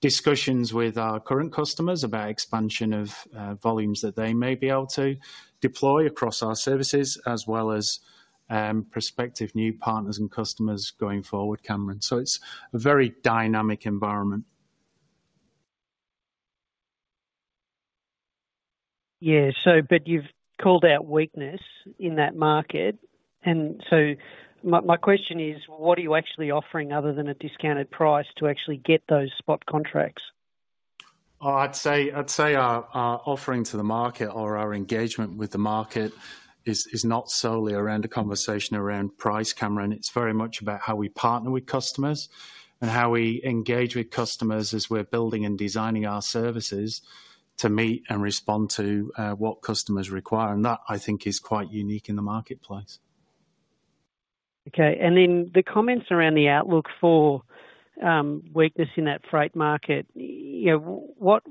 discussions with our current customers about expansion of volumes that they may be able to deploy across our services as well as prospective new partners and customers going forward, Cameron. So it's a very dynamic environment. Yeah. But you've called out weakness in that market. And so my question is, what are you actually offering other than a discounted price to actually get those spot contracts? Oh, I'd say our offering to the market or our engagement with the market is not solely around a conversation around price, Cameron. It's very much about how we partner with customers and how we engage with customers as we're building and designing our services to meet and respond to what customers require. And that, I think, is quite unique in the marketplace. Okay. And then the comments around the outlook for weakness in that freight market, what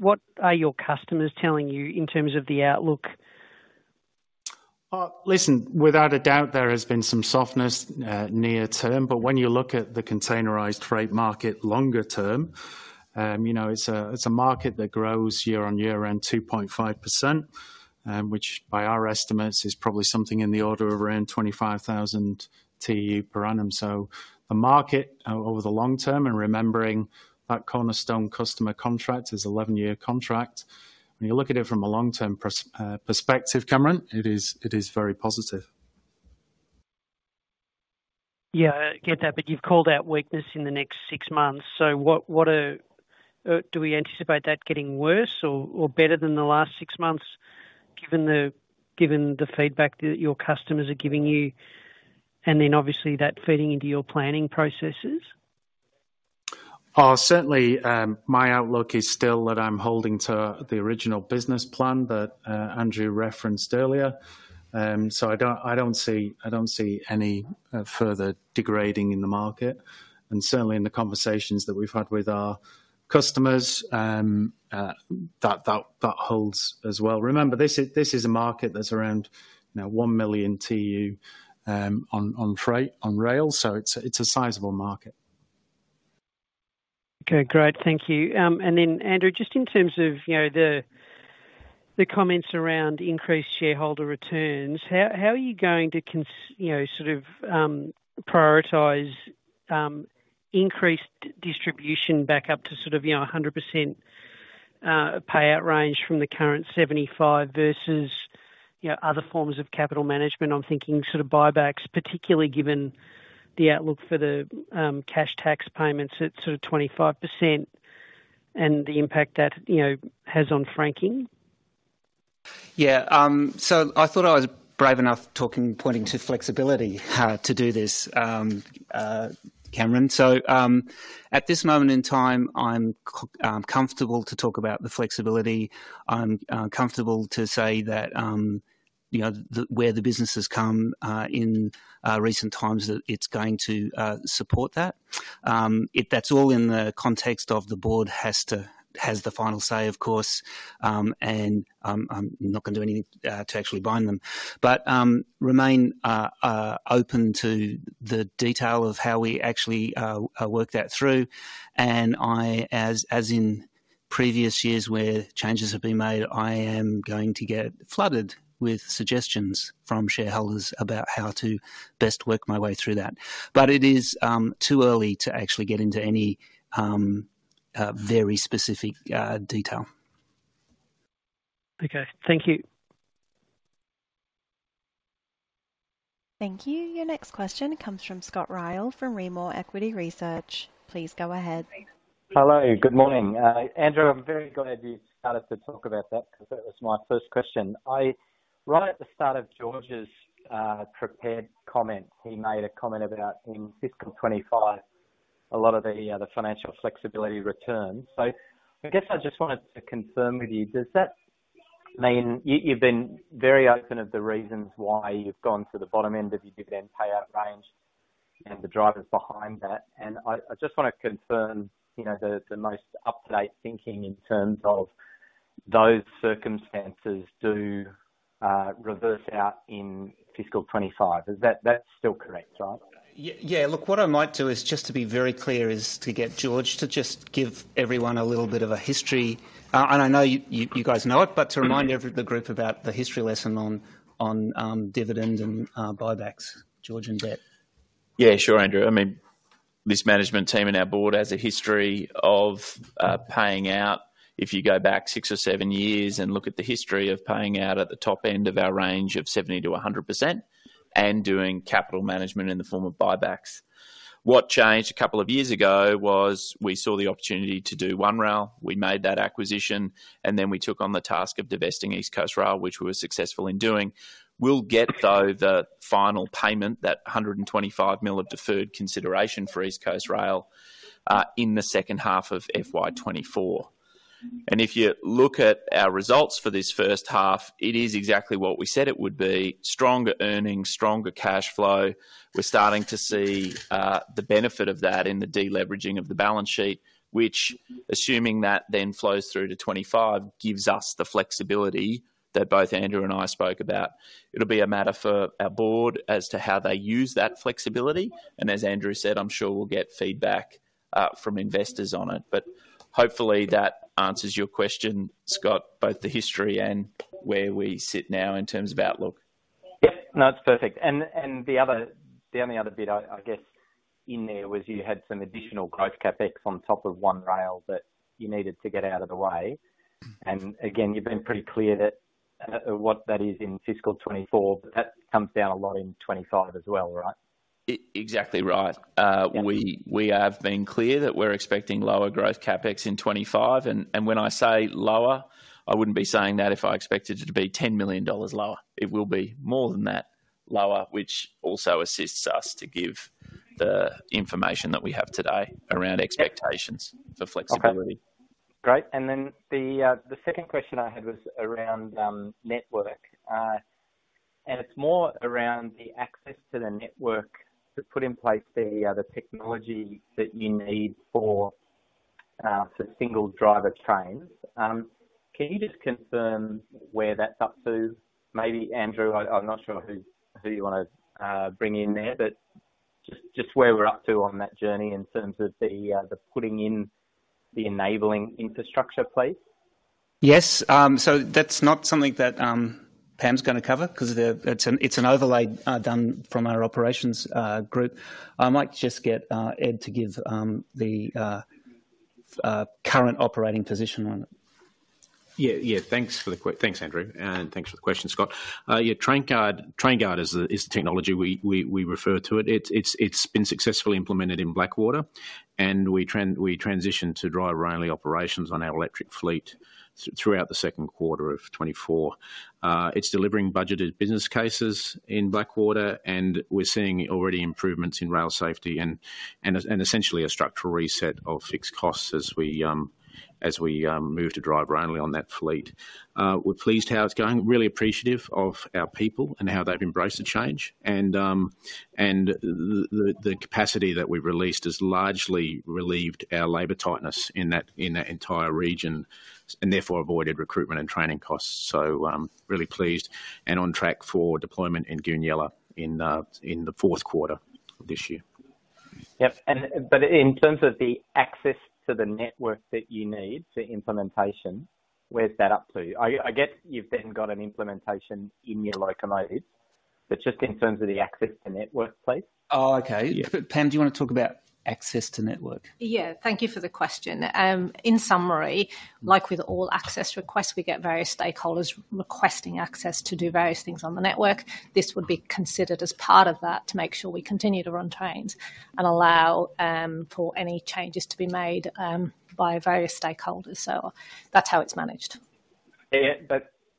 are your customers telling you in terms of the outlook? Oh, listen, without a doubt, there has been some softness near-term. But when you look at the containerized freight market longer-term, it's a market that grows year-on-year around 2.5%, which by our estimates is probably something in the order of around 25,000 TEU per annum. So the market over the long-term and remembering that cornerstone customer contract is 11-year contract. When you look at it from a long-term perspective, Cameron, it is very positive. Yeah. I get that. But you've called out weakness in the next six months. So do we anticipate that getting worse or better than the last six months given the feedback that your customers are giving you? And then obviously, that feeding into your planning processes? Oh, certainly, my outlook is still that I'm holding to the original business plan that Andrew referenced earlier. So I don't see any further degrading in the market. And certainly, in the conversations that we've had with our customers, that holds as well. Remember, this is a market that's around 1 million TEU on freight, on rail. So it's a sizable market. Okay. Great. Thank you. And then, Andrew, just in terms of the comments around increased shareholder returns, how are you going to sort of prioritise increased distribution back up to sort of 100% payout range from the current 75% versus other forms of capital management? I'm thinking sort of buybacks, particularly given the outlook for the cash tax payments at sort of 25% and the impact that has on franking. Yeah. So I thought I was brave enough pointing to flexibility to do this, Cameron. So at this moment in time, I'm comfortable to talk about the flexibility. I'm comfortable to say that where the businesses come in recent times, that it's going to support that. That's all in the context of the board has the final say, of course. And I'm not going to do anything to actually bind them. But remain open to the detail of how we actually work that through. And as in previous years where changes have been made, I am going to get flooded with suggestions from shareholders about how to best work my way through that. But it is too early to actually get into any very specific detail. Okay. Thank you. Thank you. Your next question comes from Scott Ryall from Rimor Equity Research. Please go ahead. Hello. Good morning. Andrew, I'm very glad you started to talk about that because that was my first question. Right at the start of George's prepared comment, he made a comment about in fiscal 2025, a lot of the financial flexibility returns. So I guess I just wanted to confirm with you, does that mean you've been very open of the reasons why you've gone to the bottom end of your dividend payout range and the drivers behind that? And I just want to confirm the most up-to-date thinking in terms of those circumstances do reverse out in fiscal 2025. That's still correct, right? Yeah. Look, what I might do is just to be very clear is to get George to just give everyone a little bit of a history. And I know you guys know it, but to remind the group about the history lesson on dividend and buybacks, George, you bet. Yeah. Sure, Andrew. I mean, this management team and our board has a history of paying out if you go back six or seven years and look at the history of paying out at the top end of our range of 70%-100% and doing capital management in the form of buybacks. What changed a couple of years ago was we saw the opportunity to do One Rail. We made that acquisition, and then we took on the task of divesting East Coast Rail, which we were successful in doing. We'll get, though, the final payment, that 125 million of deferred consideration for East Coast Rail, in the second half of FY 2024. And if you look at our results for this first half, it is exactly what we said it would be: stronger earnings, stronger cash flow. We're starting to see the benefit of that in the deleveraging of the balance sheet, which, assuming that then flows through to 2025, gives us the flexibility that both Andrew and I spoke about. It'll be a matter for our board as to how they use that flexibility. As Andrew said, I'm sure we'll get feedback from investors on it. Hopefully, that answers your question, Scott, both the history and where we sit now in terms of outlook. Yep. No, it's perfect. And the only other bit, I guess, in there was you had some additional growth CapEx on top of One Rail that you needed to get out of the way. And again, you've been pretty clear what that is in fiscal 2024, but that comes down a lot in 2025 as well, right? Exactly right. We have been clear that we're expecting lower growth CapEx in 2025. And when I say lower, I wouldn't be saying that if I expected it to be 10 million dollars lower. It will be more than that lower, which also assists us to give the information that we have today around expectations for flexibility. Great. Then the second question I had was around network. It's more around the access to the network to put in place the technology that you need for single driver trains. Can you just confirm where that's up to? Maybe, Andrew, I'm not sure who you want to bring in there, but just where we're up to on that journey in terms of the putting in the enabling infrastructure, please. Yes. So that's not something that Pam's going to cover because it's an overlay done from our operations group. I might just get Ed to give the current operating position on it. Yeah. Yeah. Thanks for the quick thanks, Andrew. And thanks for the question, Scott. Yeah. TrainGuard is the technology we refer to it. It's been successfully implemented in Blackwater, and we transitioned to driverless railway operations on our electric fleet throughout the second quarter of 2024. It's delivering budgeted business cases in Blackwater, and we're seeing already improvements in rail safety and essentially a structural reset of fixed costs as we move to driverless railway on that fleet. We're pleased how it's going, really appreciative of our people and how they've embraced the change. And the capacity that we released has largely relieved our labor tightness in that entire region and therefore avoided recruitment and training costs. So really pleased and on track for deployment in Goonyella in the fourth quarter of this year. Yep. But in terms of the access to the network that you need for implementation, where's that up to? I get you've then got an implementation in your locomotives, but just in terms of the access to network, please. Oh, okay. Pam, do you want to talk about access to network? Yeah. Thank you for the question. In summary, like with all access requests, we get various stakeholders requesting access to do various things on the network. This would be considered as part of that to make sure we continue to run trains and allow for any changes to be made by various stakeholders. So that's how it's managed.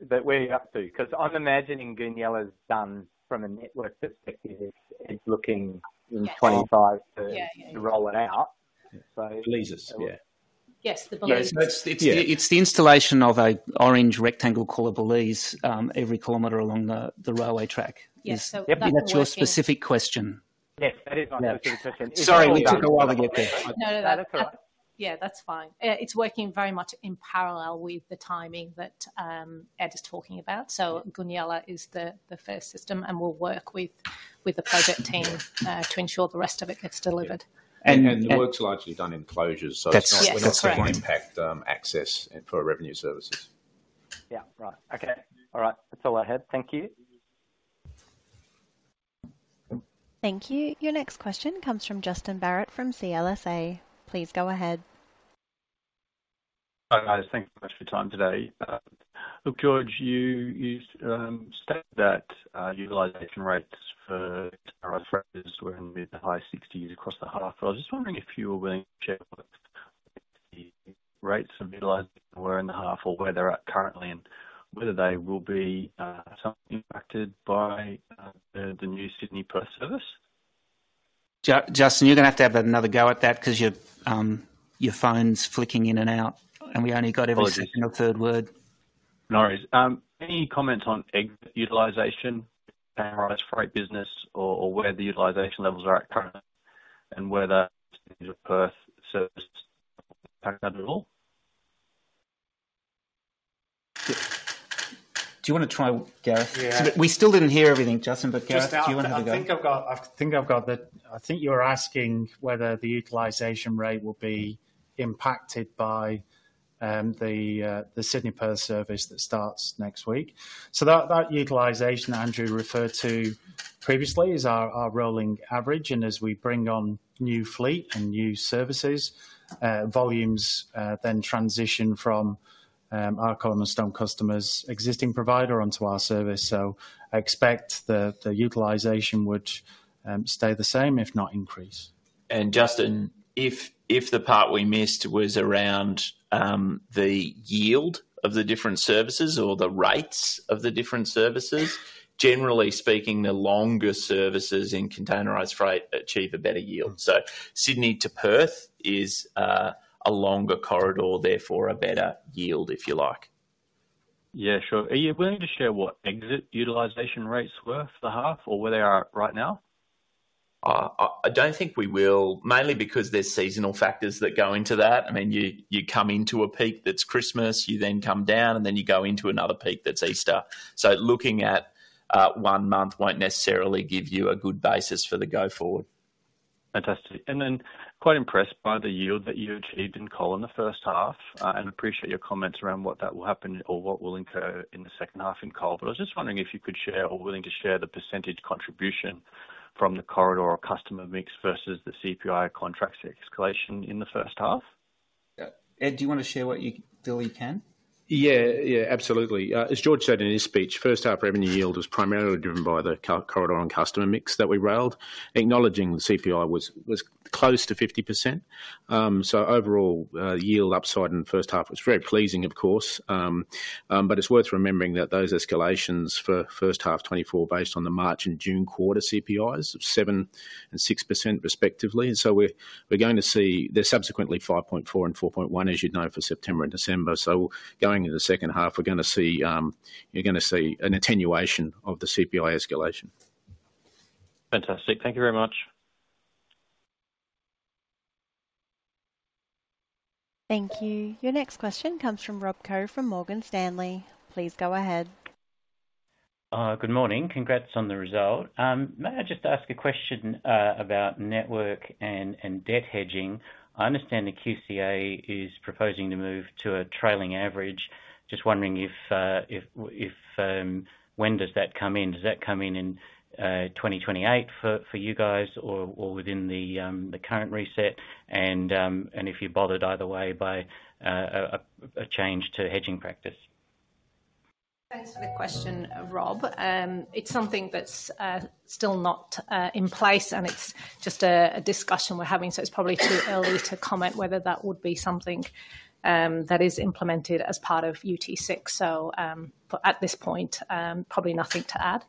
But where are you up to? Because I'm imagining Goonyella's done from a network perspective. It's looking in 2025 to roll it out, so. Belizes. Yeah. Yes. The Balises. Yeah. So it's the installation of an orange rectangle called a balise every kilometer along the railway track. Yep. That's your specific question. Yes. That is my specific question. Sorry. We took a while to get there. No, no, no. That's all right. Yeah. That's fine. Yeah. It's working very much in parallel with the timing that Ed is talking about. So Goonyella is the first system, and we'll work with the project team to ensure the rest of it gets delivered. The work's largely done in closures. It's not significant impact access for revenue services. Yeah. Right. Okay. All right. That's all I had. Thank you. Thank you. Your next question comes from Justin Barratt from CLSA. Please go ahead. Thanks so much for your time today. Look, George, you stated that utilization rates for containerized freight were in mid- to high-60s across the half. I was just wondering if you were willing to share what the rates of utilization were in the half or where they're at currently and whether they will be somewhat impacted by the new Sydney Perth service. Justin, you're going to have to have another go at that because your phone's flicking in and out, and we only got every second or third word. No worries. No worries. Any comments on utilization with containerized freight business or where the utilization levels are at currently and whether Sydney Perth service will impact that at all? Do you want to try, Gareth? We still didn't hear everything, Justin, but Gareth, do you want to have a go? Just out of nowhere, I think I've got that I think you're asking whether the utilization rate will be impacted by the Sydney Perth service that starts next week. So that utilization Andrew referred to previously is our rolling average. And as we bring on new fleet and new services, volumes then transition from our cornerstone customers' existing provider onto our service. So I expect the utilization would stay the same, if not increase. And Justin, if the part we missed was around the yield of the different services or the rates of the different services, generally speaking, the longer services in containerized freight achieve a better yield. So Sydney to Perth is a longer corridor, therefore a better yield, if you like. Yeah. Sure. Are you willing to share what exit utilization rates were for the half or where they are at right now? I don't think we will, mainly because there's seasonal factors that go into that. I mean, you come into a peak that's Christmas, you then come down, and then you go into another peak that's Easter. So looking at one month won't necessarily give you a good basis for the go-forward. Fantastic. And then quite impressed by the yield that you achieved in coal in the first half and appreciate your comments around what that will happen or what will incur in the second half in coal. But I was just wondering if you could share or were willing to share the percentage contribution from the corridor or customer mix versus the CPI contracts escalation in the first half? Yeah. Ed, do you want to share what you feel you can? Yeah. Yeah. Absolutely. As George said in his speech, first-half revenue yield was primarily driven by the corridor and customer mix that we railed. Acknowledging the CPI was close to 50%. So overall, yield upside in the first half was very pleasing, of course. But it's worth remembering that those escalations for first-half 2024 based on the March and June quarter CPIs of 7% and 6%, respectively. And so we're going to see they're subsequently 5.4% and 4.1%, as you'd know, for September and December. So going into the second half, you're going to see an attenuation of the CPI escalation. Fantastic. Thank you very much. Thank you. Your next question comes from Rob Koh from Morgan Stanley. Please go ahead. Good morning. Congrats on the result. May I just ask a question about network and debt hedging? I understand the QCA is proposing to move to a trailing average. Just wondering when does that come in? Does that come in in 2028 for you guys or within the current reset? And if you're bothered either way by a change to hedging practice? Thanks for the question, Rob. It's something that's still not in place, and it's just a discussion we're having. It's probably too early to comment whether that would be something that is implemented as part of UT6. At this point, probably nothing to add.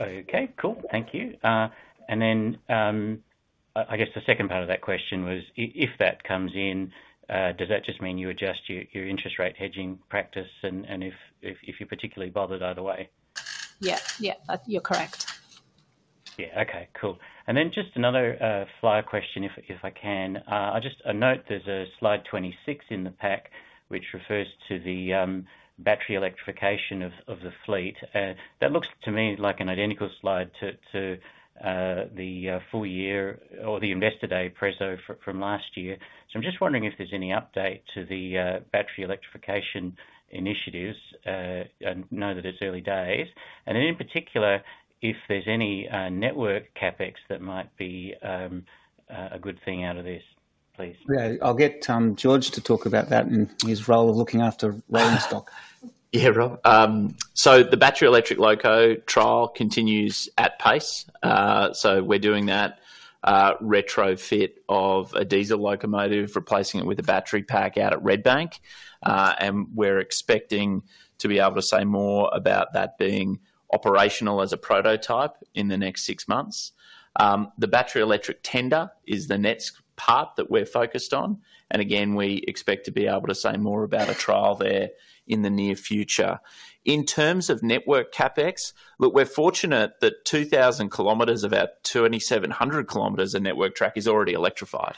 Okay. Cool. Thank you. And then I guess the second part of that question was, if that comes in, does that just mean you adjust your interest rate hedging practice and if you're particularly bothered either way? Yeah. Yeah. You're correct. Yeah. Okay. Cool. And then just another flyer question, if I can. I note there's a slide 26 in the pack which refers to the battery electrification of the fleet. That looks to me like an identical slide to the full year or the Investor Day preso from last year. So I'm just wondering if there's any update to the battery electrification initiatives. I know that it's early days. And then in particular, if there's any network CapEx that might be a good thing out of this, please. Yeah. I'll get George to talk about that and his role of looking after rolling stock. Yeah, Rob. So the battery electric loco trial continues at pace. So we're doing that retrofit of a diesel locomotive, replacing it with a battery pack out at Redbank. And we're expecting to be able to say more about that being operational as a prototype in the next six months. The battery electric tender is the next part that we're focused on. And again, we expect to be able to say more about a trial there in the near future. In terms of network CapEx, look, we're fortunate that 2,000 kilometers of our 2,700 kilometers of network track is already electrified.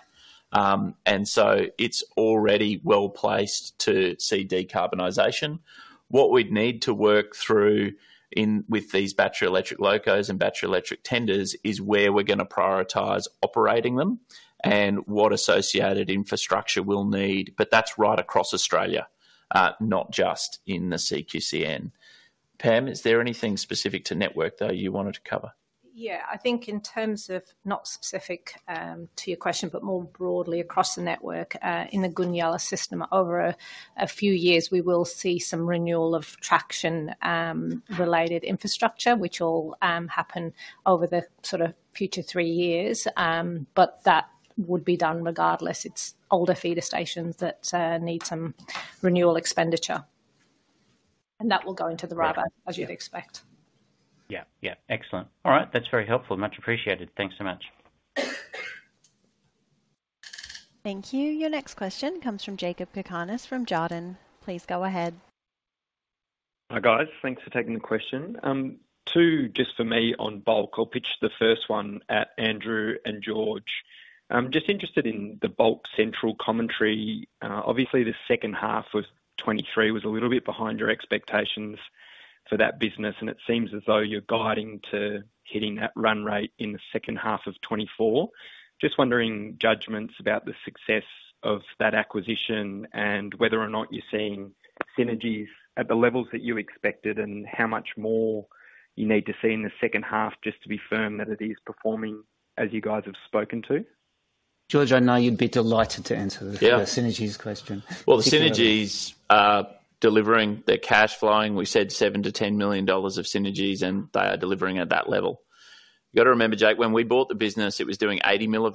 And so it's already well-placed to see decarbonization. What we'd need to work through with these battery electric locos and battery electric tenders is where we're going to prioritize operating them and what associated infrastructure we'll need. But that's right across Australia, not just in the CQCN. Pam, is there anything specific to network, though, you wanted to cover? Yeah. I think in terms of not specific to your question, but more broadly across the network, in the Goonyella system, over a few years, we will see some renewal of traction-related infrastructure, which will happen over the sort of future three years. But that would be done regardless. It's older feeder stations that need some renewal expenditure. And that will go into the RAB, as you'd expect. Yeah. Yeah. Excellent. All right. That's very helpful. Much appreciated. Thanks so much. Thank you. Your next question comes from Jakob Cakarnis from Jarden. Please go ahead. Hi, guys. Thanks for taking the question. Two, just for me on bulk. I'll pitch the first one at Andrew and George. Just interested in the Bulk Central commentary. Obviously, the second half of 2023 was a little bit behind your expectations for that business, and it seems as though you're guiding to hitting that run rate in the second half of 2024. Just wondering judgments about the success of that acquisition and whether or not you're seeing synergies at the levels that you expected and how much more you need to see in the second half just to be firm that it is performing as you guys have spoken to. George, I know you'd be delighted to answer the synergies question. Yeah. Well, the synergies are delivering. They're cash-flowing. We said 7-10 million dollars of synergies, and they are delivering at that level. You've got to remember, Jake, when we bought the business, it was doing 80 million of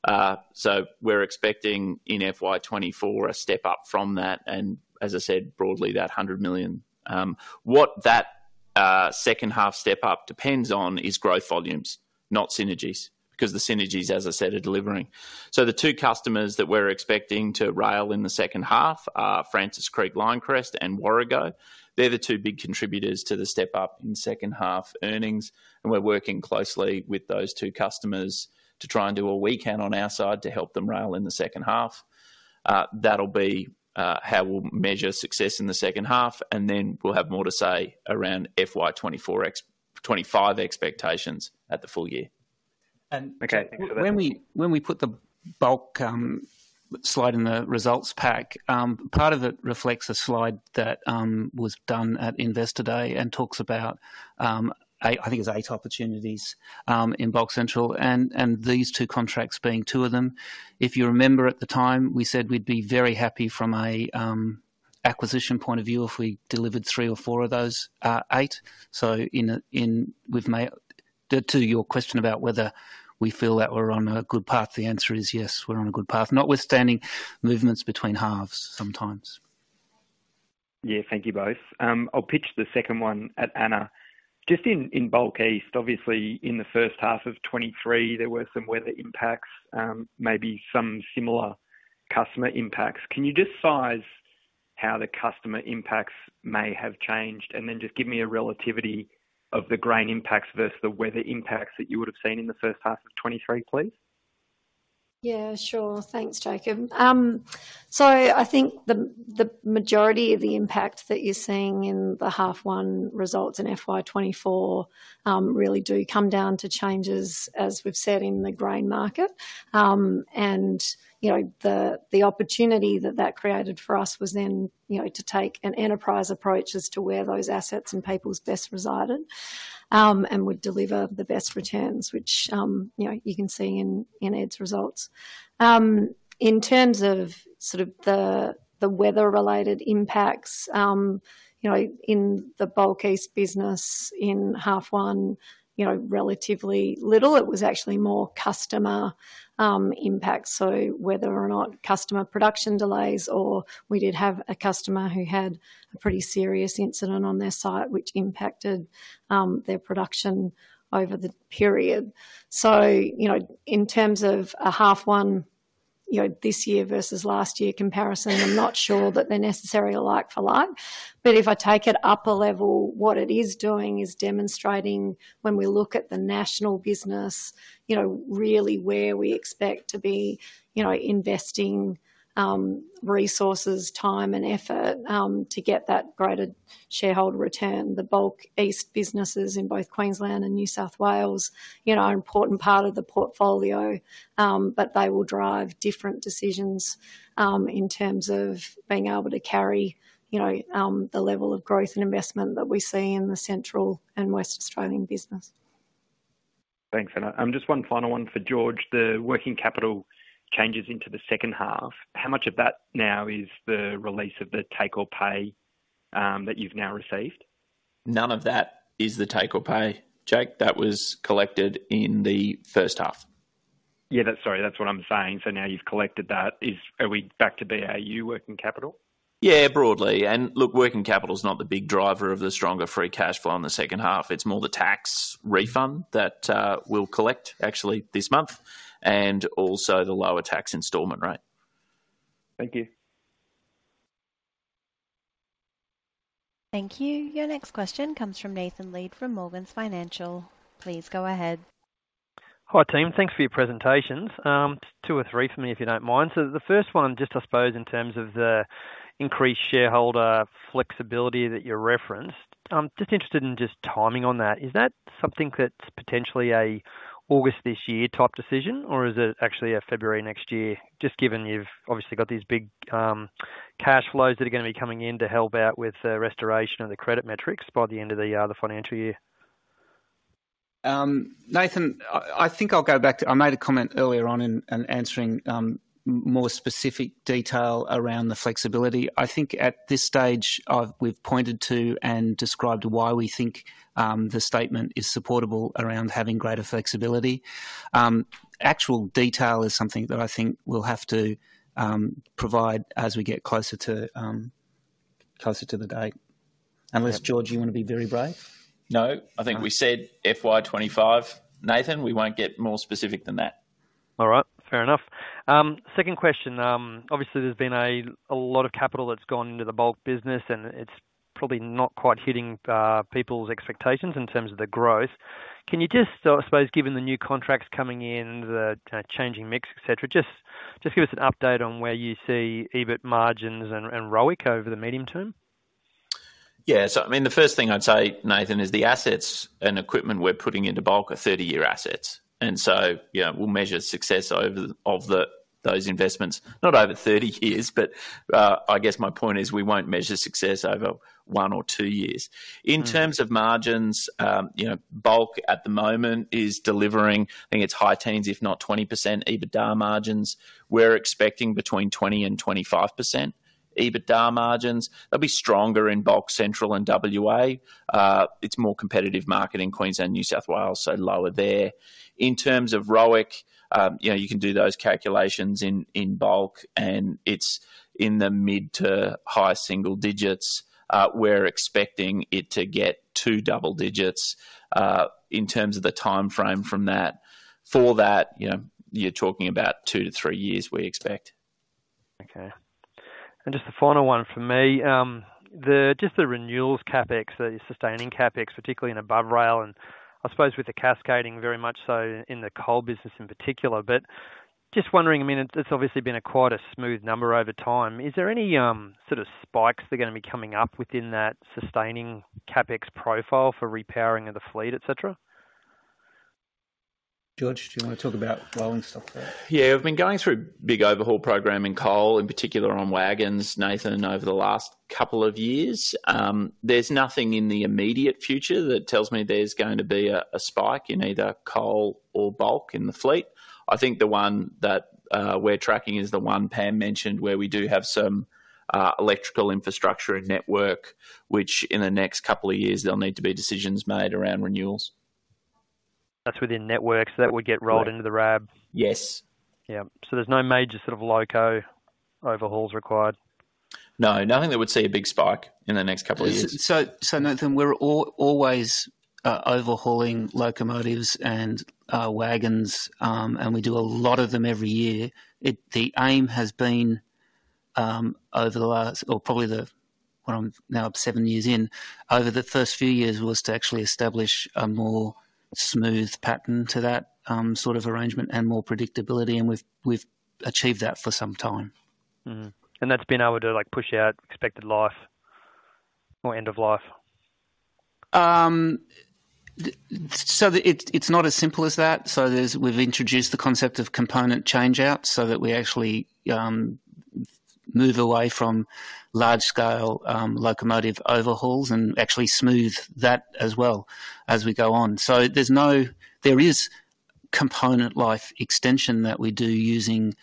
EBITDA. So we're expecting in FY 2024 a step up from that and, as I said, broadly, 100 million. What that second-half step up depends on is growth volumes, not synergies, because the synergies, as I said, are delivering. So the two customers that we're expecting to rail in the second half are Frances Creek Linecrest and Warrego. They're the two big contributors to the step up in second-half earnings. And we're working closely with those two customers to try and do all we can on our side to help them rail in the second half. That'll be how we'll measure success in the second half. And then we'll have more to say around FY2024 expectations at the full year. When we put the bulk slide in the results pack, part of it reflects a slide that was done at Investor Day and talks about, I think it's eight opportunities in Bulk Central and these two contracts being two of them. If you remember, at the time, we said we'd be very happy from an acquisition point of view if we delivered three or four of those, eight. To your question about whether we feel that we're on a good path, the answer is yes, we're on a good path. Notwithstanding movements between halves sometimes. Yeah. Thank you both. I'll pitch the second one at Anna. Just in Bulk East, obviously, in the first half of 2023, there were some weather impacts, maybe some similar customer impacts. Can you just size how the customer impacts may have changed? And then just give me a relativity of the grain impacts versus the weather impacts that you would have seen in the first half of 2023, please. Yeah. Sure. Thanks, Jakob. So I think the majority of the impact that you're seeing in the half one results in FY24 really do come down to changes, as we've said, in the grain market. And the opportunity that that created for us was then to take an enterprise approach as to where those assets and people's best resided and would deliver the best returns, which you can see in Ed's results. In terms of sort of the weather-related impacts, in the bulk east business in half one, relatively little. It was actually more customer impacts. So whether or not customer production delays or we did have a customer who had a pretty serious incident on their site, which impacted their production over the period. So in terms of a half one this year versus last year comparison, I'm not sure that they're necessarily alike for like. But if I take it up a level, what it is doing is demonstrating, when we look at the national business, really where we expect to be investing resources, time, and effort to get that greater shareholder return. The bulk east businesses in both Queensland and New South Wales are an important part of the portfolio, but they will drive different decisions in terms of being able to carry the level of growth and investment that we see in the Central and Western Australian business. Thanks, Anna. Just one final one for George. The working capital changes into the second half. How much of that now is the release of the take-or-pay that you've now received? None of that is the take or pay, Jake. That was collected in the first half. Yeah. Sorry. That's what I'm saying. So now you've collected that. Are we back to BAU working capital? Yeah, broadly. And look, working capital's not the big driver of the stronger free cash flow in the second half. It's more the tax refund that we'll collect, actually, this month and also the lower tax installment rate. Thank you. Thank you. Your next question comes from Nathan Lead from Morgans Financial. Please go ahead. Hi, team. Thanks for your presentations. Two or three for me, if you don't mind. So the first one, just I suppose in terms of the increased shareholder flexibility that you referenced, just interested in just timing on that. Is that something that's potentially an August this year type decision, or is it actually February next year, just given you've obviously got these big cash flows that are going to be coming in to help out with the restoration of the credit metrics by the end of the financial year? Nathan, I think I'll go back to I made a comment earlier on in answering more specific detail around the flexibility. I think at this stage, we've pointed to and described why we think the statement is supportable around having greater flexibility. Actual detail is something that I think we'll have to provide as we get closer to the date. Unless, George, you want to be very brief? No. I think we said FY25. Nathan, we won't get more specific than that. All right. Fair enough. Second question. Obviously, there's been a lot of capital that's gone into the bulk business, and it's probably not quite hitting people's expectations in terms of the growth. Can you just, I suppose, given the new contracts coming in, the changing mix, etc., just give us an update on where you see EBIT margins and ROIC over the medium term? Yeah. So I mean, the first thing I'd say, Nathan, is the assets and equipment we're putting into bulk are 30-year assets. And so we'll measure success of those investments, not over 30 years. But I guess my point is we won't measure success over one or two years. In terms of margins, bulk at the moment is delivering. I think it's high teens, if not 20% EBITDA margins. We're expecting between 20% and 25% EBITDA margins. They'll be stronger in Bulk Central and WA. It's more competitive market in Queensland and New South Wales, so lower there. In terms of ROIC, you can do those calculations in bulk, and it's in the mid-to-high single digits. We're expecting it to get to double digits in terms of the timeframe from that. For that, you're talking about two to three years, we expect. Okay. And just the final one for me. Just the Renewals CapEx, the Sustaining CapEx, particularly in above rail, and I suppose with the cascading, very much so in the coal business in particular. But just wondering, I mean, it's obviously been quite a smooth number over time. Is there any sort of spikes that are going to be coming up within that Sustaining CapEx profile for repowering of the fleet, etc.? George, do you want to talk about rolling stock first? Yeah. We've been going through big overhaul programming coal, in particular on wagons, Nathan, over the last couple of years. There's nothing in the immediate future that tells me there's going to be a spike in either coal or bulk in the fleet. I think the one that we're tracking is the one Pam mentioned where we do have some electrical infrastructure and network, which in the next couple of years, there'll need to be decisions made around renewals. That's within networks that would get rolled into the RAB? Yes. Yeah. So there's no major sort of loco overhauls required? No. Nothing that would see a big spike in the next couple of years. So, Nathan, we're always overhauling locomotives and wagons, and we do a lot of them every year. The aim has been over the last or probably when I'm now seven years in, over the first few years, was to actually establish a more smooth pattern to that sort of arrangement and more predictability. And we've achieved that for some time. That's been able to push out expected life or end of life? It's not as simple as that. We've introduced the concept of component changeouts so that we actually move away from large-scale locomotive overhauls and actually smooth that as well as we go on. There is component life extension that we do using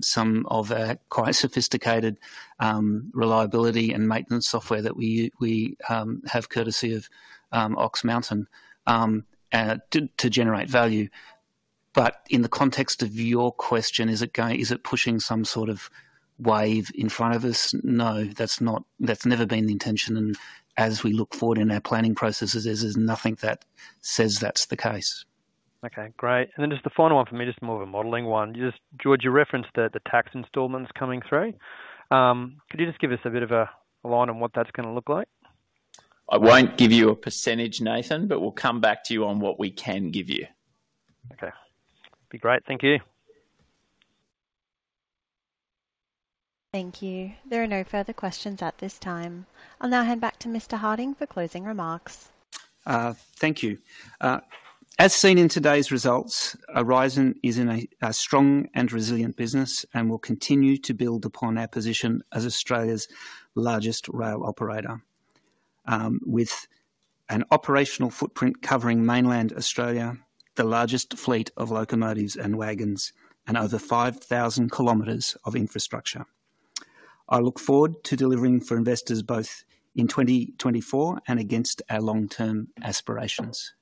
some of our quite sophisticated reliability and maintenance software that we have courtesy of Ox Mountain to generate value. But in the context of your question, is it pushing some sort of wave in front of us? No, that's never been the intention. As we look forward in our planning processes, there's nothing that says that's the case. Okay. Great. And then just the final one for me, just more of a modeling one. George, you referenced the tax installments coming through. Could you just give us a bit of a line on what that's going to look like? I won't give you a percentage, Nathan Lead, but we'll come back to you on what we can give you. Okay. Be great. Thank you. Thank you. There are no further questions at this time. I'll now hand back to Mr. Harding for closing remarks. Thank you. As seen in today's results, Aurizon is in a strong and resilient business and will continue to build upon our position as Australia's largest rail operator with an operational footprint covering mainland Australia, the largest fleet of locomotives and wagons, and over 5,000 kilometers of infrastructure. I look forward to delivering for investors both in 2024 and against our long-term aspirations.